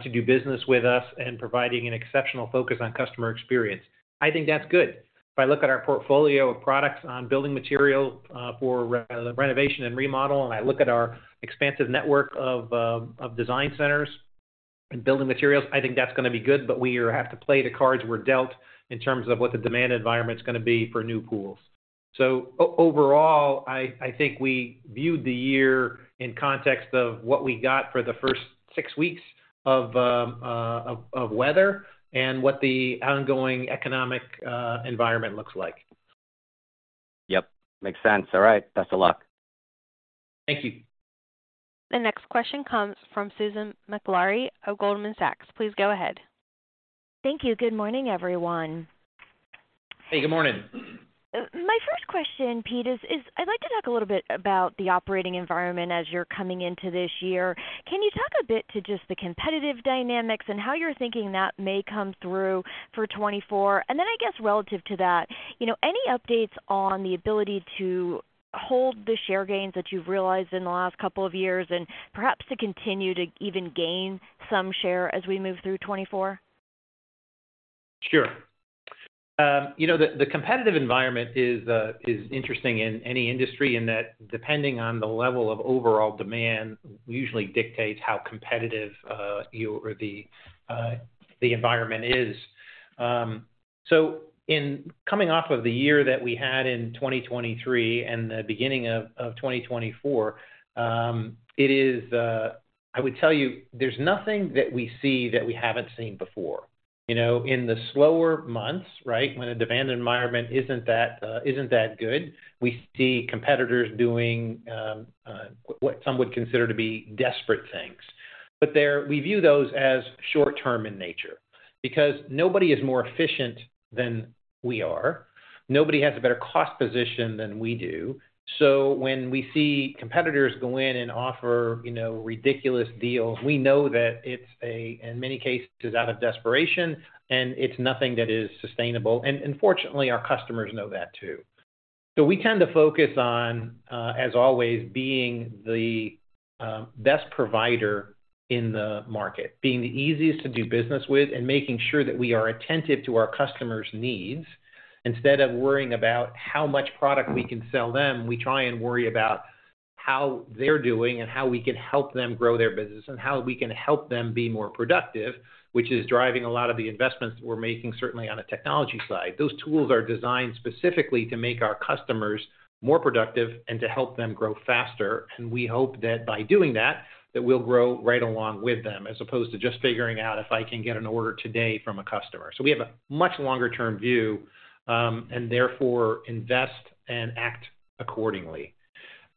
to do business with us, and providing an exceptional focus on customer experience. I think that's good. If I look at our portfolio of products on building material for renovation and remodel, and I look at our expansive network of design centers and building materials, I think that's going to be good. But we have to play the cards we're dealt in terms of what the demand environment's going to be for new pools. Overall, I think we viewed the year in context of what we got for the first six weeks of weather and what the ongoing economic environment looks like. Yep. Makes sense. All right. Best of luck. Thank you. The next question comes from Susan Maklari of Goldman Sachs. Please go ahead. Thank you. Good morning, everyone. Hey, good morning. My first question, Pete, is I'd like to talk a little bit about the operating environment as you're coming into this year. Can you talk a bit to just the competitive dynamics and how you're thinking that may come through for 2024? And then relative to that, any updates on the ability to hold the share gains that you've realized in the last couple of years and perhaps to continue to even gain some share as we move through 2024? Sure. The competitive environment is interesting in any industry in that depending on the level of overall demand usually dictates how competitive the environment is. So in coming off of the year that we had in 2023 and the beginning of 2024, it is, I would tell you, there's nothing that we see that we haven't seen before. In the slower months, right, when the demand environment isn't that good, we see competitors doing what some would consider to be desperate things. But we view those as short-term in nature because nobody is more efficient than we are. Nobody has a better cost position than we do. So when we see competitors go in and offer ridiculous deals, we know that it's a, in many cases, out of desperation, and it's nothing that is sustainable. And fortunately, our customers know that too. So we tend to focus on, as always, being the best provider in the market, being the easiest to do business with, and making sure that we are attentive to our customers' needs. Instead of worrying about how much product we can sell them, we try and worry about how they're doing and how we can help them grow their business and how we can help them be more productive, which is driving a lot of the investments that we're making, certainly on the technology side. Those tools are designed specifically to make our customers more productive and to help them grow faster. And we hope that by doing that, that we'll grow right along with them as opposed to just figuring out if I can get an order today from a customer. So we have a much longer-term view and therefore invest and act accordingly.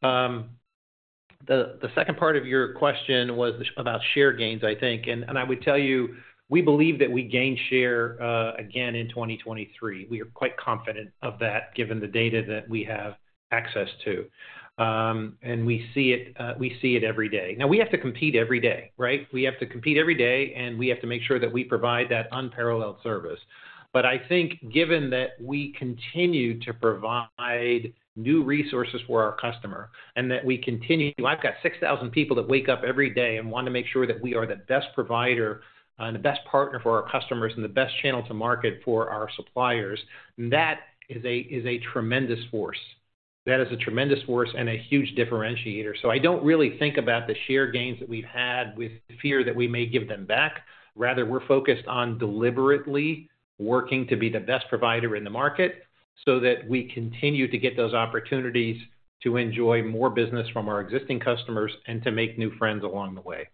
The second part of your question was about share gains, I think. And I would tell you, we believe that we gained share again in 2023. We are quite confident of that given the data that we have access to. And we see it every day. Now, we have to compete every day, right? We have to compete every day, and we have to make sure that we provide that unparalleled service. But I think given that we continue to provide new resources for our customer and that we continue. I've got 6,000 people that wake up every day and want to make sure that we are the best provider and the best partner for our customers and the best channel to market for our suppliers. That is a tremendous force. That is a tremendous force and a huge differentiator. I don't really think about the share gains that we've had with fear that we may give them back. Rather, we're focused on deliberately working to be the best provider in the market so that we continue to get those opportunities to enjoy more business from our existing customers and to make new friends along the way.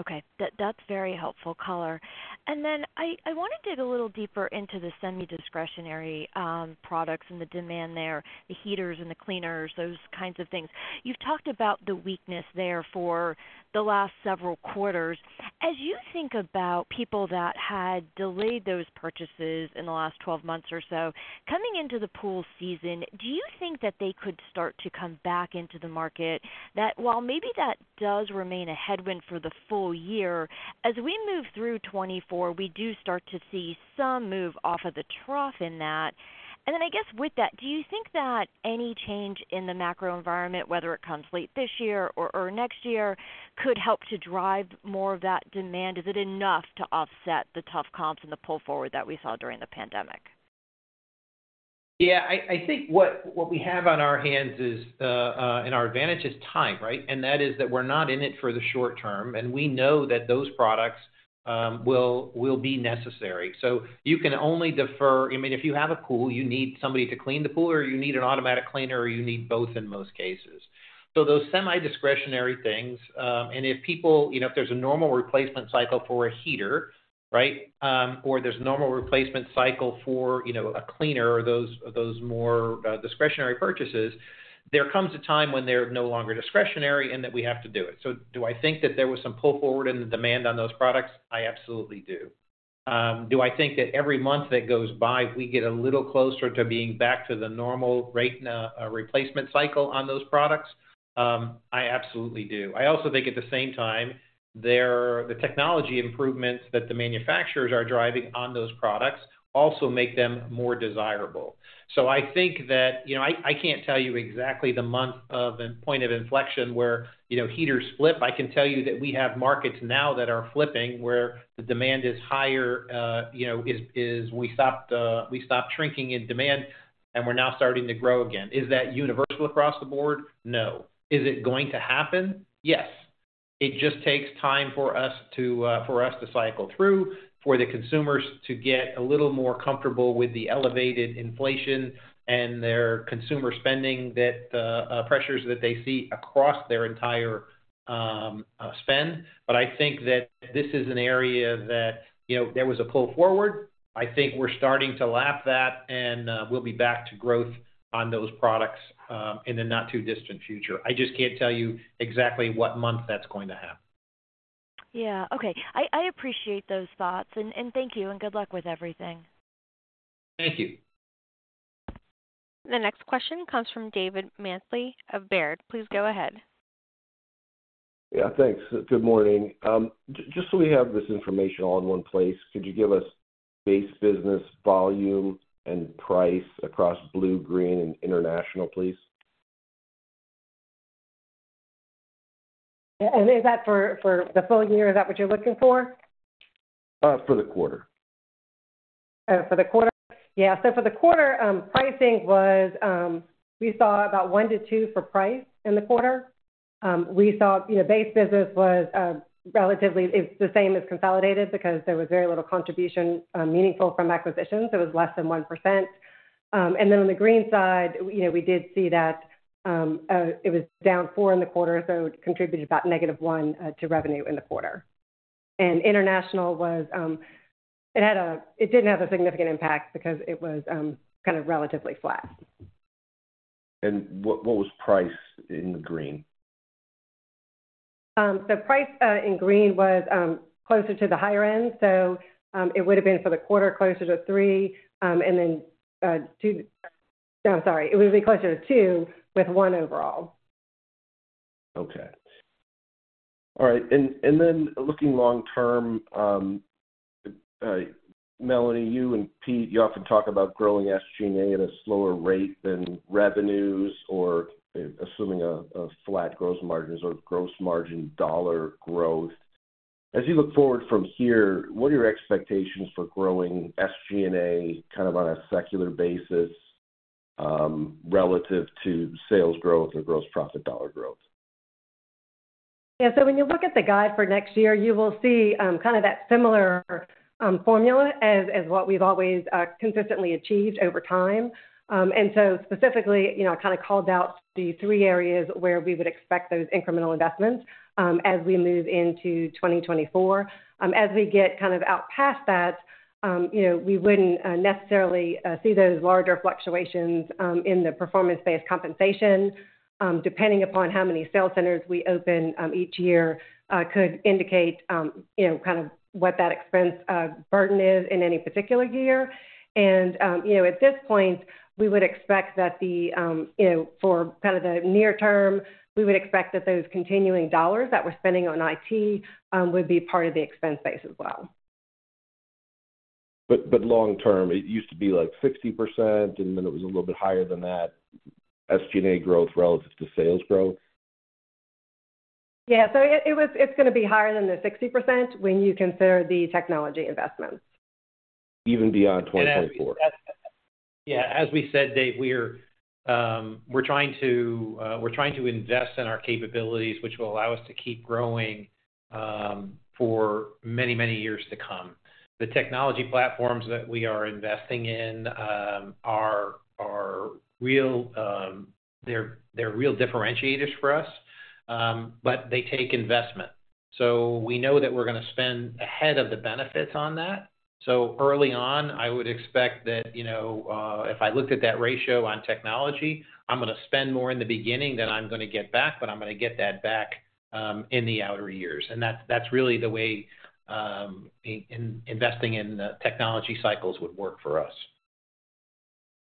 Okay. That's very helpful color. And then I want to dig a little deeper into the semi-discretionary products and the demand there, the heaters and the cleaners, those kinds of things. You've talked about the weakness there for the last several quarters. As you think about people that had delayed those purchases in the last 12 months or so, coming into the pool season, do you think that they could start to come back into the market? While maybe that does remain a headwind for the full-year, as we move through 2024, we do start to see some move off of the trough in that. And then with that, do you think that any change in the macro environment, whether it comes late this year or next year, could help to drive more of that demand? Is it enough to offset the tough comps and the pull forward that we saw during the pandemic? Yeah. I think what we have on our hands is and our advantage is time, right? And that is that we're not in it for the short term. And we know that those products will be necessary. So you can only defer I mean, if you have a pool, you need somebody to clean the pool, or you need an automatic cleaner, or you need both in most cases. So those semi-discretionary things and if people if there's a normal replacement cycle for a heater, right, or there's a normal replacement cycle for a cleaner or those more discretionary purchases, there comes a time when they're no longer discretionary and that we have to do it. So do I think that there was some pull forward in the demand on those products? I absolutely do. Do I think that every month that goes by, we get a little closer to being back to the normal rate and replacement cycle on those products? I absolutely do. I also think at the same time, the technology improvements that the manufacturers are driving on those products also make them more desirable. So I think that I can't tell you exactly the month of point of inflection where heaters flip. I can tell you that we have markets now that are flipping where the demand is higher as we stop shrinking in demand and we're now starting to grow again. Is that universal across the board? No. Is it going to happen? Yes. It just takes time for us to cycle through, for the consumers to get a little more comfortable with the elevated inflation and their consumer spending, the pressures that they see across their entire spend. But I think that this is an area that there was a pull forward. I think we're starting to lap that, and we'll be back to growth on those products in the not-too-distant future. I just can't tell you exactly what month that's going to happen. Yeah. Okay. I appreciate those thoughts. Thank you. Good luck with everything. Thank you. The next question comes from David Manthey of Baird. Please go ahead. Yeah. Thanks. Good morning. Just so we have this information all in one place, could you give us base business volume and price across Blue, Green, and international, please? And is that for the full-year? Is that what you're looking for? For the quarter. Oh, for the quarter? Yeah. So for the quarter, pricing was we saw about 1% to 2% for price in the quarter. We saw base business was relatively it's the same as consolidated because there was very little contribution meaningful from acquisitions. It was less than 1%. And then on the green side, we did see that it was down 4% in the quarter, so it contributed about negative 1% to revenue in the quarter. And international was it didn't have a significant impact because it was kind of relatively flat. What was price in the green? Price in green was closer to the higher end. It would have been for the quarter closer to three and then two, I'm sorry. It would be closer to two with one overall. Okay. All right. And then looking long-term, Melanie, you and Pete, you often talk about growing SG&A at a slower rate than revenues or assuming a flat gross margins or gross margin dollar growth. As you look forward from here, what are your expectations for growing SG&A kind of on a secular basis relative to sales growth or gross profit dollar growth? Yeah. So when you look at the guide for next year, you will see kind of that similar formula as what we've always consistently achieved over time. So specifically, I kind of called out the three areas where we would expect those incremental investments as we move into 2024. As we get kind of out past that, we wouldn't necessarily see those larger fluctuations in the performance-based compensation, depending upon how many sales centers we open each year, could indicate kind of what that expense burden is in any particular year. And at this point, we would expect that, for kind of the near term, we would expect that those continuing dollars that we're spending on IT would be part of the expense base as well. But long-term, it used to be like 60%, and then it was a little bit higher than that SG&A growth relative to sales growth? Yeah. So it's going to be higher than the 60% when you consider the technology investments. Even beyond 2024? Yeah. As we said, Dave, we're trying to invest in our capabilities, which will allow us to keep growing for many, many years to come. The technology platforms that we are investing in are real. They're real differentiators for us, but they take investment. So we know that we're going to spend ahead of the benefits on that. So early on, I would expect that if I looked at that ratio on technology, I'm going to spend more in the beginning than I'm going to get back, but I'm going to get that back in the outer years. That's really the way investing in the technology cycles would work for us.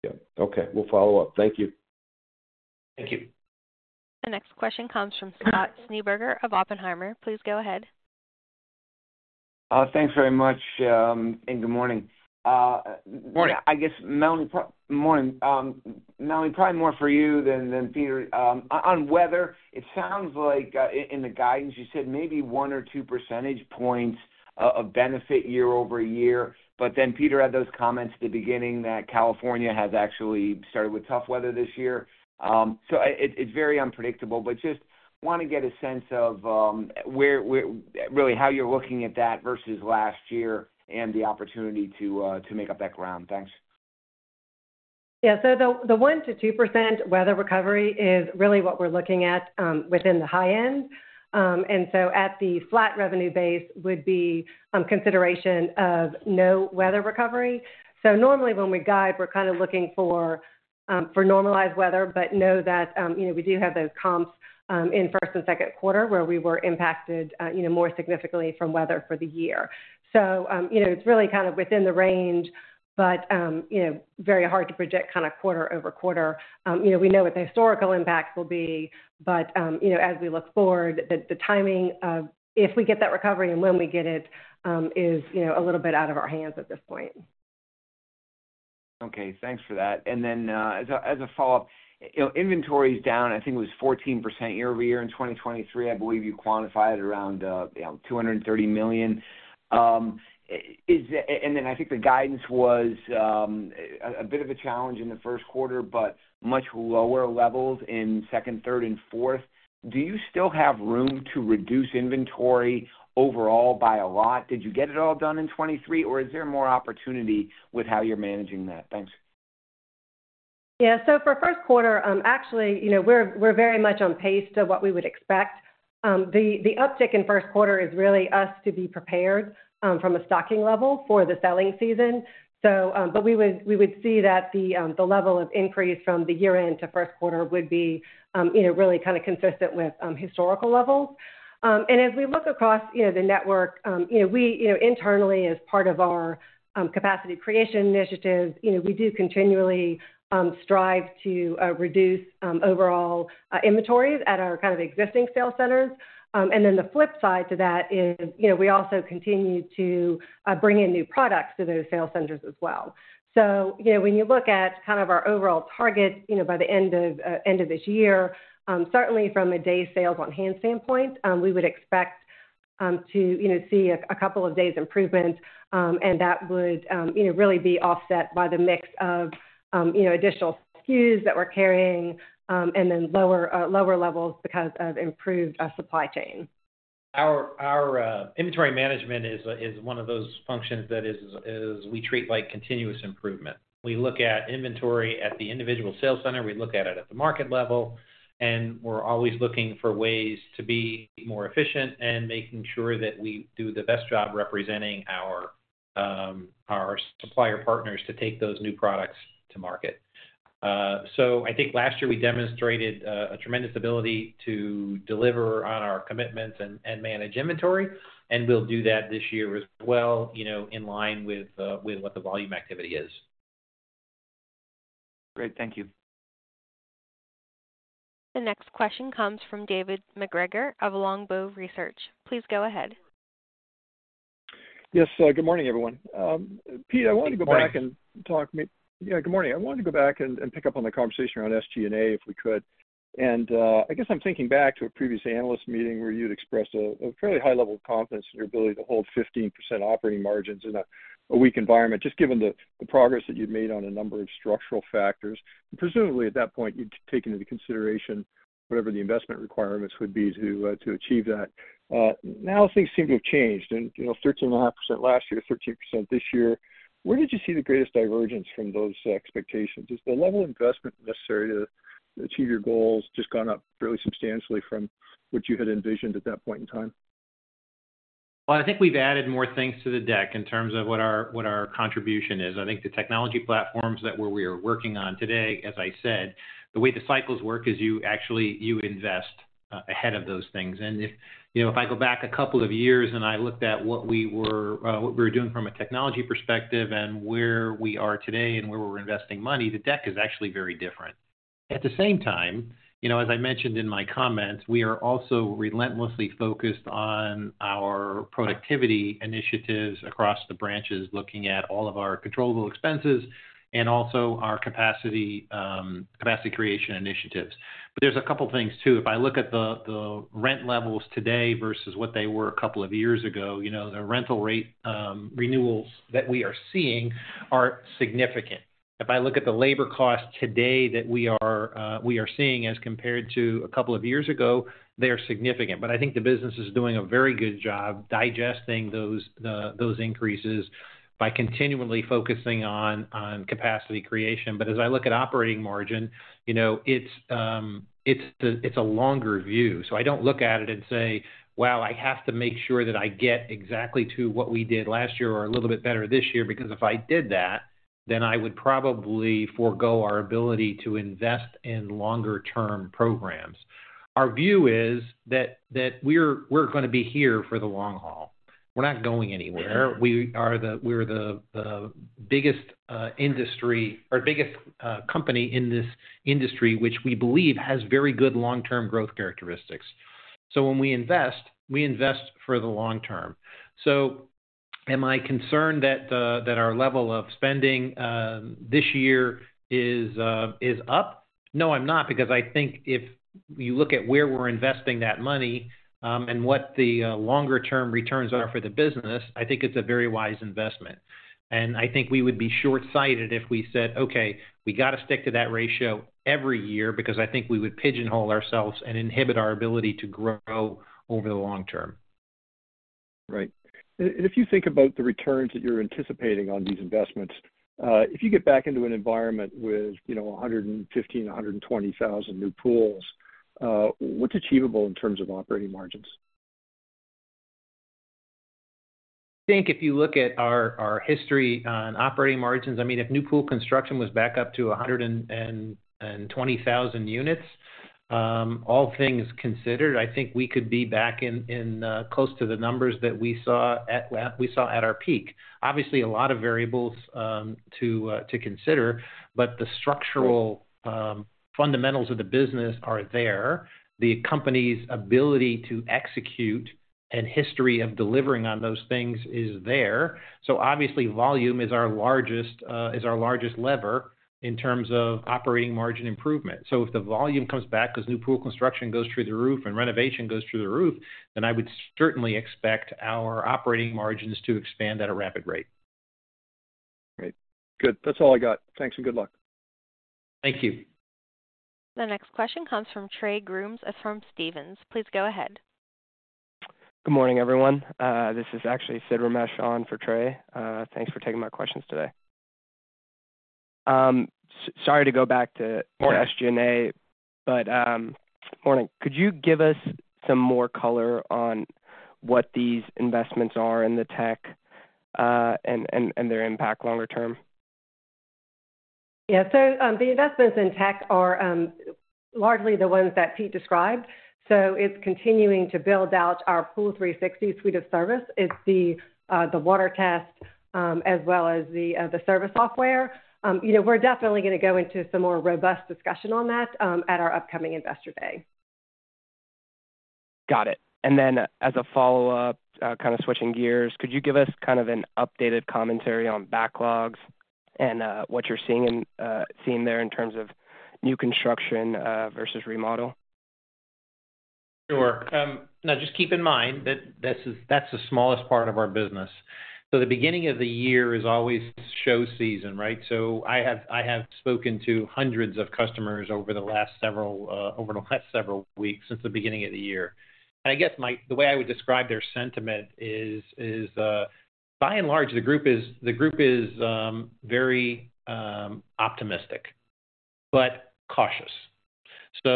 Yep. Okay. We'll follow up. Thank you. Thank you. The next question comes from Scott Schneeberger of Oppenheimer. Please go ahead. Thanks very much. Good morning. Morning. Melanie, good morning. Melanie, probably more for you than Peter. On weather, it sounds like in the guidance, you said maybe 1 or 2 percentage points of benefit year-over-year. But then Peter had those comments at the beginning that California has actually started with tough weather this year. So it's very unpredictable. But just want to get a sense of really how you're looking at that versus last year and the opportunity to make up that ground. Thanks. Yeah. So the 1% to 2% weather recovery is really what we're looking at within the high end. And so at the flat revenue base would be consideration of no weather recovery. So normally, when we guide, we're kind of looking for normalized weather but know that we do have those comps in first and second quarter where we were impacted more significantly from weather for the year. So it's really kind of within the range but very hard to project kind of quarter-over-quarter. We know what the historical impacts will be. But as we look forward, the timing of if we get that recovery and when we get it is a little bit out of our hands at this point. Okay. Thanks for that. And then as a follow-up, inventory is down. I think it was 14% year-over-year in 2023. I believe you quantified it around $230 million. And then I think the guidance was a bit of a challenge in the first quarter but much lower levels in second, third, and fourth. Do you still have room to reduce inventory overall by a lot? Did you get it all done in 2023, or is there more opportunity with how you're managing that? Thanks. Yeah. So for first quarter, actually, we're very much on pace to what we would expect. The uptick in first quarter is really us to be prepared from a stocking level for the selling season. But we would see that the level of increase from the year-end to first quarter would be really kind of consistent with historical levels. And as we look across the network, we internally, as part of our capacity creation initiatives, we do continually strive to reduce overall inventories at our kind of existing sales centers. And then the flip side to that is we also continue to bring in new products to those sales centers as well. So when you look at kind of our overall target by the end of this year, certainly from a day sales on hand standpoint, we would expect to see a couple of days improvement. That would really be offset by the mix of additional SKUs that we're carrying and then lower levels because of improved supply chain. Our inventory management is one of those functions that we treat like continuous improvement. We look at inventory at the individual sales center. We look at it at the market level. And we're always looking for ways to be more efficient and making sure that we do the best job representing our supplier partners to take those new products to market. So I think last year, we demonstrated a tremendous ability to deliver on our commitments and manage inventory. And we'll do that this year as well in line with what the volume activity is. Great. Thank you. The next question comes from David MacGregor of Longbow Research. Please go ahead. Yes. Good morning, everyone. Pete, I wanted to go back and talk. Good morning. I wanted to go back and pick up on the conversation around SG&A if we could. I'm thinking back to a previous analyst meeting where you'd expressed a fairly high level of confidence in your ability to hold 15% operating margins in a weak environment, just given the progress that you'd made on a number of structural factors. Presumably, at that point, you'd taken into consideration whatever the investment requirements would be to achieve that. Now, things seem to have changed. 13.5% last year, 13% this year. Where did you see the greatest divergence from those expectations? Has the level of investment necessary to achieve your goals just gone up fairly substantially from what you had envisioned at that point in time? Well, I think we've added more things to the deck in terms of what our contribution is. I think the technology platforms that we're working on today, as I said, the way the cycles work is you actually invest ahead of those things. If I go back a couple of years and I looked at what we were doing from a technology perspective and where we are today and where we're investing money, the deck is actually very different. At the same time, as I mentioned in my comments, we are also relentlessly focused on our productivity initiatives across the branches looking at all of our controllable expenses and also our capacity creation initiatives. There's a couple of things too. If I look at the rent levels today versus what they were a couple of years ago, the rental rate renewals that we are seeing are significant. If I look at the labor cost today that we are seeing as compared to a couple of years ago, they are significant. But I think the business is doing a very good job digesting those increases by continually focusing on capacity creation. But as I look at operating margin, it's a longer view. So I don't look at it and say, "Wow, I have to make sure that I get exactly to what we did last year or a little bit better this year." Because if I did that, then I would probably forego our ability to invest in longer-term programs. Our view is that we're going to be here for the long haul. We're not going anywhere. We're the biggest industry or biggest company in this industry, which we believe has very good long-term growth characteristics. So when we invest, we invest for the long term. So am I concerned that our level of spending this year is up? No, I'm not. Because I think if you look at where we're investing that money and what the longer-term returns are for the business, I think it's a very wise investment. And I think we would be short-sighted if we said, "Okay. We got to stick to that ratio every year." Because I think we would pigeonhole ourselves and inhibit our ability to grow over the long term. Right. And if you think about the returns that you're anticipating on these investments, if you get back into an environment with 115,000, 120,000 new pools, what's achievable in terms of operating margins? I think if you look at our history on operating margins, I mean, if new pool construction was back up to 120,000 units, all things considered, I think we could be back close to the numbers that we saw at our peak. Obviously, a lot of variables to consider. But the structural fundamentals of the business are there. The company's ability to execute and history of delivering on those things is there. So obviously, volume is our largest lever in terms of operating margin improvement. So if the volume comes back because new pool construction goes through the roof and renovation goes through the roof, then I would certainly expect our operating margins to expand at a rapid rate. Great. Good. That's all I got. Thanks and good luck. Thank you. The next question comes from Trey Grooms from Stephens. Please go ahead. Good morning, everyone. This is actually Sid Ramesh on for Trey. Thanks for taking my questions today. Sorry to go back to more SG&A. But, Melanie, could you give us some more color on what these investments are in the tech and their impact longer term? Yeah. So the investments in tech are largely the ones that Pete described. So it's continuing to build out our Pool360 suite of service. It's the water test as well as the service software. We're definitely going to go into some more robust discussion on that at our upcoming Investor Day. Got it. And then as a follow-up, kind of switching gears, could you give us kind of an updated commentary on backlogs and what you're seeing there in terms of new construction versus remodel? Sure. Now, just keep in mind that that's the smallest part of our business. The beginning of the year is always show season, right? I have spoken to hundreds of customers over the last several weeks since the beginning of the year. The way I would describe their sentiment is, by and large, the group is very optimistic but cautious. I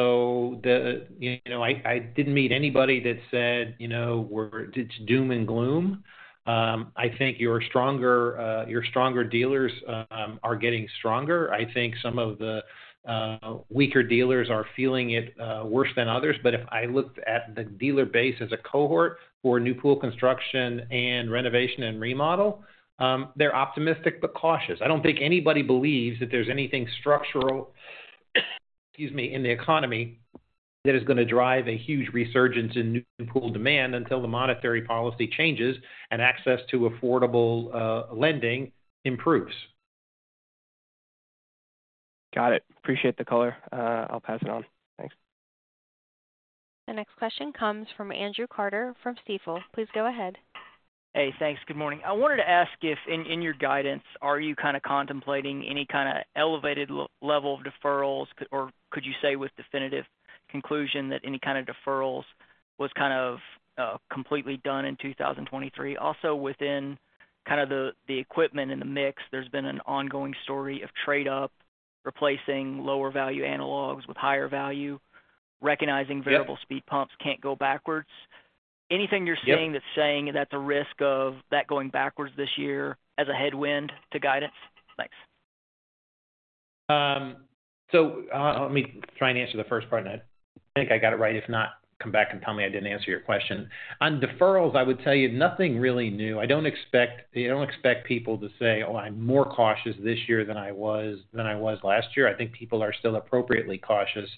didn't meet anybody that said, "It's doom and gloom." I think your stronger dealers are getting stronger. I think some of the weaker dealers are feeling it worse than others. But if I looked at the dealer base as a cohort for new pool construction and renovation and remodel, they're optimistic but cautious. I don't think anybody believes that there's anything structural - excuse me - in the economy that is going to drive a huge resurgence in new pool demand until the monetary policy changes and access to affordable lending improves. Got it. Appreciate the color. I'll pass it on. Thanks. The next question comes from Andrew Carter from Stifel. Please go ahead. Hey. Thanks. Good morning. I wanted to ask if, in your guidance, are you kind of contemplating any kind of elevated level of deferrals or could you say with definitive conclusion that any kind of deferrals was kind of completely done in 2023? Also, within kind of the equipment and the mix, there's been an ongoing story of trade-up, replacing lower-value analogs with higher value, recognizing variable speed pumps can't go backwards. Anything you're seeing that's saying that the risk of that going backwards this year as a headwind to guidance? Thanks. So let me try and answer the first part. And I think I got it right. If not, come back and tell me I didn't answer your question. On deferrals, I would tell you nothing really new. I don't expect people to say, "Oh, I'm more cautious this year than I was last year." I think people are still appropriately cautious.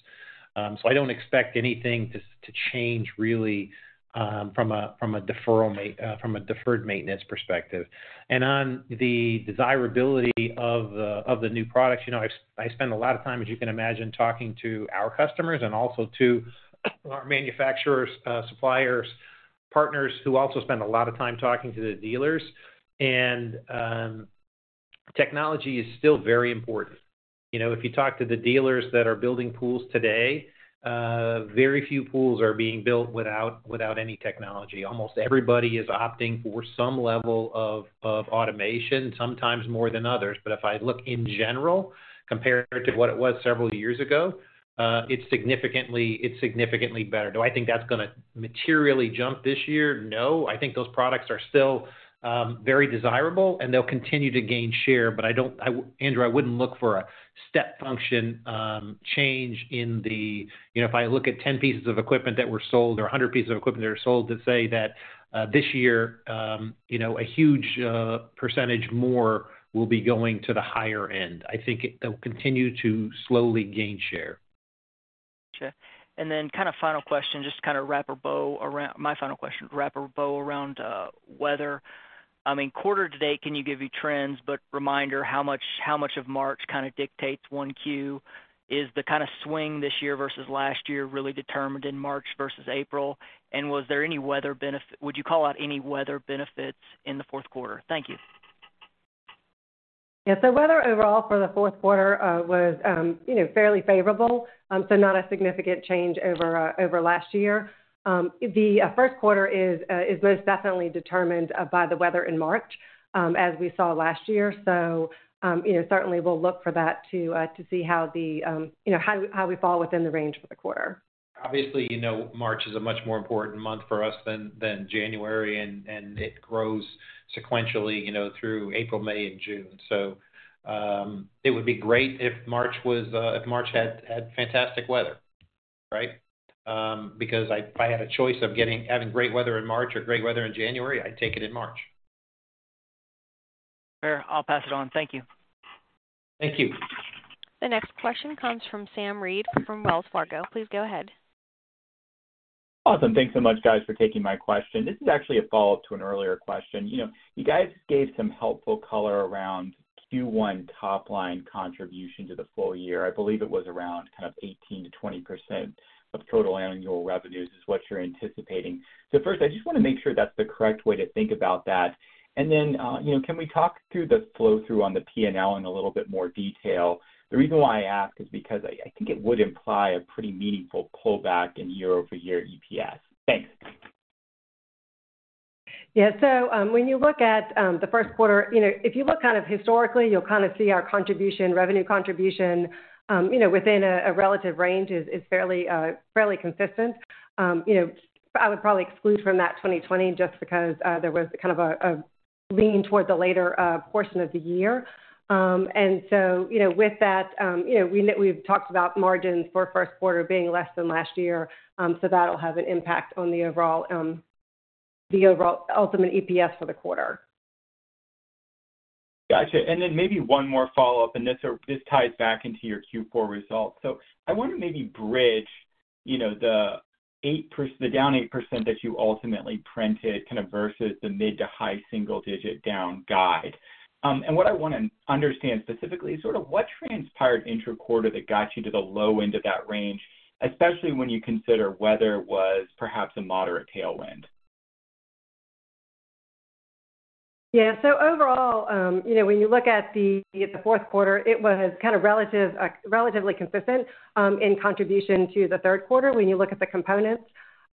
So I don't expect anything to change really from a deferred maintenance perspective. And on the desirability of the new products, I spend a lot of time, as you can imagine, talking to our customers and also to our manufacturers, suppliers, partners who also spend a lot of time talking to the dealers. And technology is still very important. If you talk to the dealers that are building pools today, very few pools are being built without any technology. Almost everybody is opting for some level of automation, sometimes more than others. But if I look in general compared to what it was several years ago, it's significantly better. Do I think that's going to materially jump this year? No. I think those products are still very desirable. And they'll continue to gain share. But, Andrew, I wouldn't look for a step function change in the if I look at 10 pieces of equipment that were sold or 100 pieces of equipment that were sold, to say that this year, a huge percentage more will be going to the higher end. I think they'll continue to slowly gain share. Got you. And then kind of final question, just kind of wrap a bow around my final question, wrap a bow around weather. I mean, quarter to date, can you give you trends? But reminder, how much of March kind of dictates 1Q? Is the kind of swing this year versus last year really determined in March versus April? And was there any weather benefit? Would you call out any weather benefits in the fourth quarter? Thank you. Yeah. So weather overall for the fourth quarter was fairly favorable. So not a significant change over last year. The first quarter is most definitely determined by the weather in March as we saw last year. So certainly, we'll look for that to see how we fall within the range for the quarter. Obviously, March is a much more important month for us than January. It grows sequentially through April, May, and June. It would be great if March had fantastic weather, right? Because if I had a choice of having great weather in March or great weather in January, I'd take it in March. Fair. I'll pass it on. Thank you. Thank you. The next question comes from Sam Reid from Wells Fargo. Please go ahead. Awesome. Thanks so much, guys, for taking my question. This is actually a follow-up to an earlier question. You guys gave some helpful color around Q1 top-line contribution to the full-year. I believe it was around kind of 18% to 20% of total annual revenues is what you're anticipating. So first, I just want to make sure that's the correct way to think about that. And then can we talk through the flow-through on the P&L in a little bit more detail? The reason why I ask is because I think it would imply a pretty meaningful pullback in year-over-year EPS. Thanks. Yeah. So when you look at the first quarter, if you look kind of historically, you'll kind of see our revenue contribution within a relative range is fairly consistent. I would probably exclude from that 2020 just because there was kind of a lean toward the later portion of the year. And so with that, we've talked about margins for first quarter being less than last year. So that'll have an impact on the overall ultimate EPS for the quarter. Got you. And then maybe one more follow-up. And this ties back into your Q4 results. So I want to maybe bridge the down 8% that you ultimately printed kind of versus the mid to high single-digit down guide. And what I want to understand specifically is sort of what transpired intra-quarter that got you to the low end of that range, especially when you consider weather was perhaps a moderate tailwind? Yeah. So overall, when you look at the fourth quarter, it was kind of relatively consistent in contribution to the third quarter when you look at the components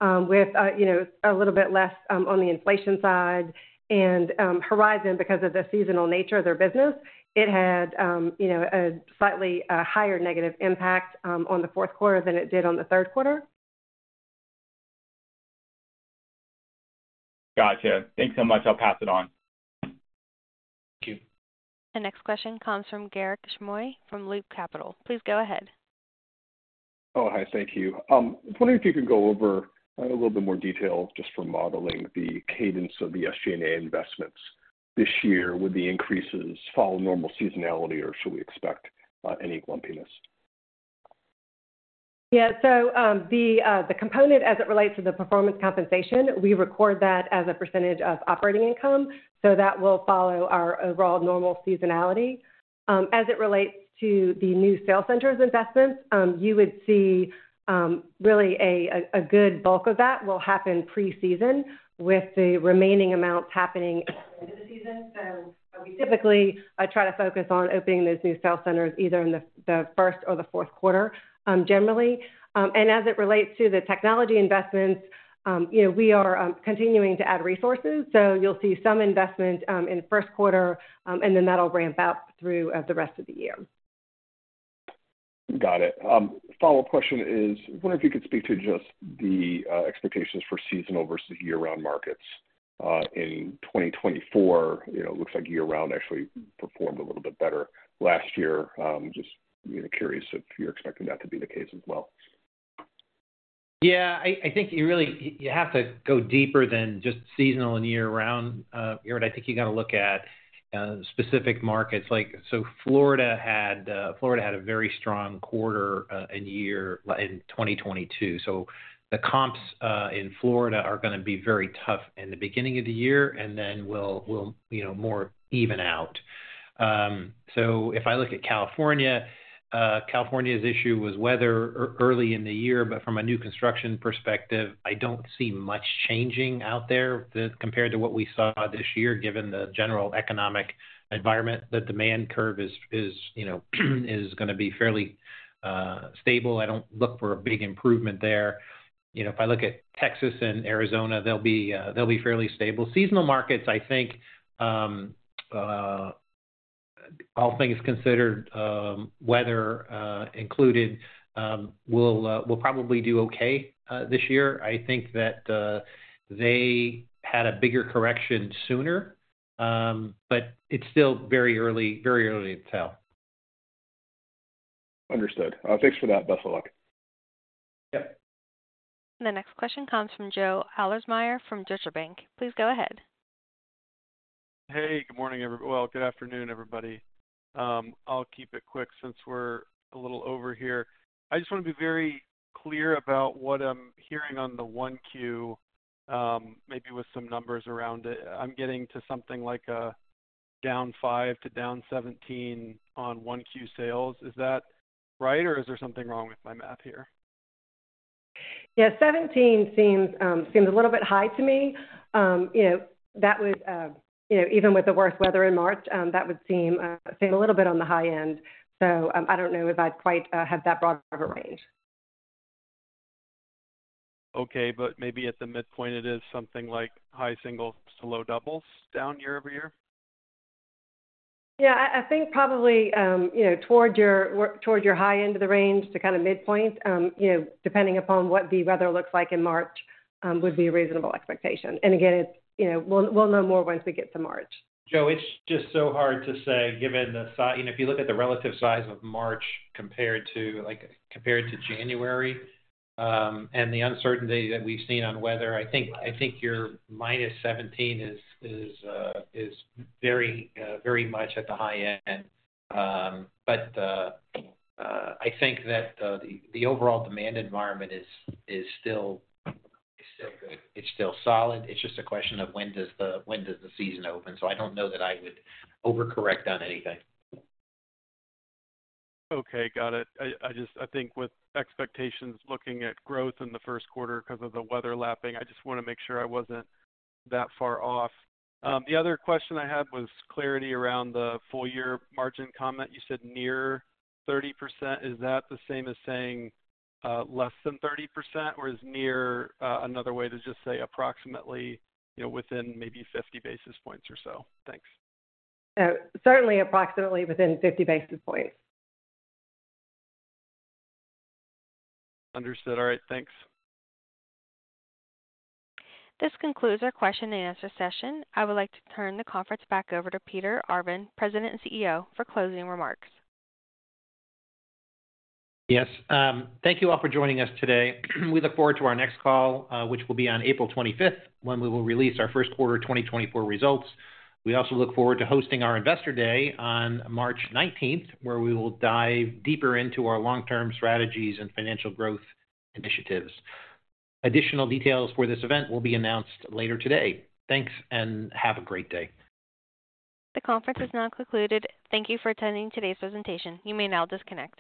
with a little bit less on the inflation side. And Horizon, because of the seasonal nature of their business, it had a slightly higher negative impact on the fourth quarter than it did on the third quarter. Got you. Thanks so much. I'll pass it on. Thank you. The next question comes from Garik Shmois from Loop Capital. Please go ahead. Oh, hi. Thank you. I was wondering if you could go over a little bit more detail just for modeling the cadence of the SG&A investments this year with the increases. Follow normal seasonality, or should we expect any lumpiness? Yeah. So the component as it relates to the performance compensation, we record that as a percentage of operating income. So that will follow our overall normal seasonality. As it relates to the new sales centers investments, you would see really a good bulk of that will happen pre-season with the remaining amounts happening at the end of the season. So we typically try to focus on opening those new sales centers either in the first or the fourth quarter, generally. And as it relates to the technology investments, we are continuing to add resources. So you'll see some investment in first quarter. And then that'll ramp up through the rest of the year. Got it. Follow-up question is, I wonder if you could speak to just the expectations for seasonal versus year-round markets. In 2024, it looks like year-round actually performed a little bit better last year. Just curious if you're expecting that to be the case as well. Yeah. I think you have to go deeper than just seasonal and year-round, Garik. I think you got to look at specific markets. So Florida had a very strong quarter and year in 2022. So the comps in Florida are going to be very tough in the beginning of the year. And then we'll more even out. So if I look at California, California's issue was weather early in the year. But from a new construction perspective, I don't see much changing out there compared to what we saw this year given the general economic environment. The demand curve is going to be fairly stable. I don't look for a big improvement there. If I look at Texas and Arizona, they'll be fairly stable. Seasonal markets, I think, all things considered, weather included, will probably do okay this year. I think that they had a bigger correction sooner. But it's still very early to tell. Understood. Thanks for that. Best of luck. Yep. The next question comes from Joe Ahlersmeyer from Deutsche Bank. Please go ahead. Hey. Good morning, everybody. Well, good afternoon, everybody. I'll keep it quick since we're a little over here. I just want to be very clear about what I'm hearing on the 1Q, maybe with some numbers around it. I'm getting to something like a down 5%-down 17% on 1Q sales. Is that right? Or is there something wrong with my math here? Yeah. Seventeen seems a little bit high to me. That would even with the worst weather in March, that would seem a little bit on the high end. So I don't know if I'd quite have that broader of a range. Okay. But maybe at the midpoint, it is something like high singles to low doubles down year-over-year? Yeah. I think probably toward your high end of the range to kind of midpoint, depending upon what the weather looks like in March, would be a reasonable expectation. Again, we'll know more once we get to March. Joe, it's just so hard to say given the if you look at the relative size of March compared to January and the uncertainty that we've seen on weather. I think your -17 is very much at the high end. But I think that the overall demand environment is still good. It's still solid. It's just a question of when does the season open. So I don't know that I would overcorrect on anything. Okay. Got it. I think with expectations looking at growth in the first quarter because of the weather lapping, I just want to make sure I wasn't that far off. The other question I had was clarity around the full-year margin comment. You said near 30%. Is that the same as saying less than 30%? Or is near another way to just say approximately within maybe 50 basis points or so? Thanks. Certainly, approximately within 50 basis points. Understood. All right. Thanks. This concludes our question and answer session. I would like to turn the conference back over to Peter Arvan, President and CEO, for closing remarks. Yes. Thank you all for joining us today. We look forward to our next call, which will be on April 25th when we will release our First Quarter 2024 results. We also look forward to hosting our Investor Day on March 19th where we will dive deeper into our long-term strategies and financial growth initiatives. Additional details for this event will be announced later today. Thanks. Have a great day. The conference is now concluded. Thank you for attending today's presentation. You may now disconnect.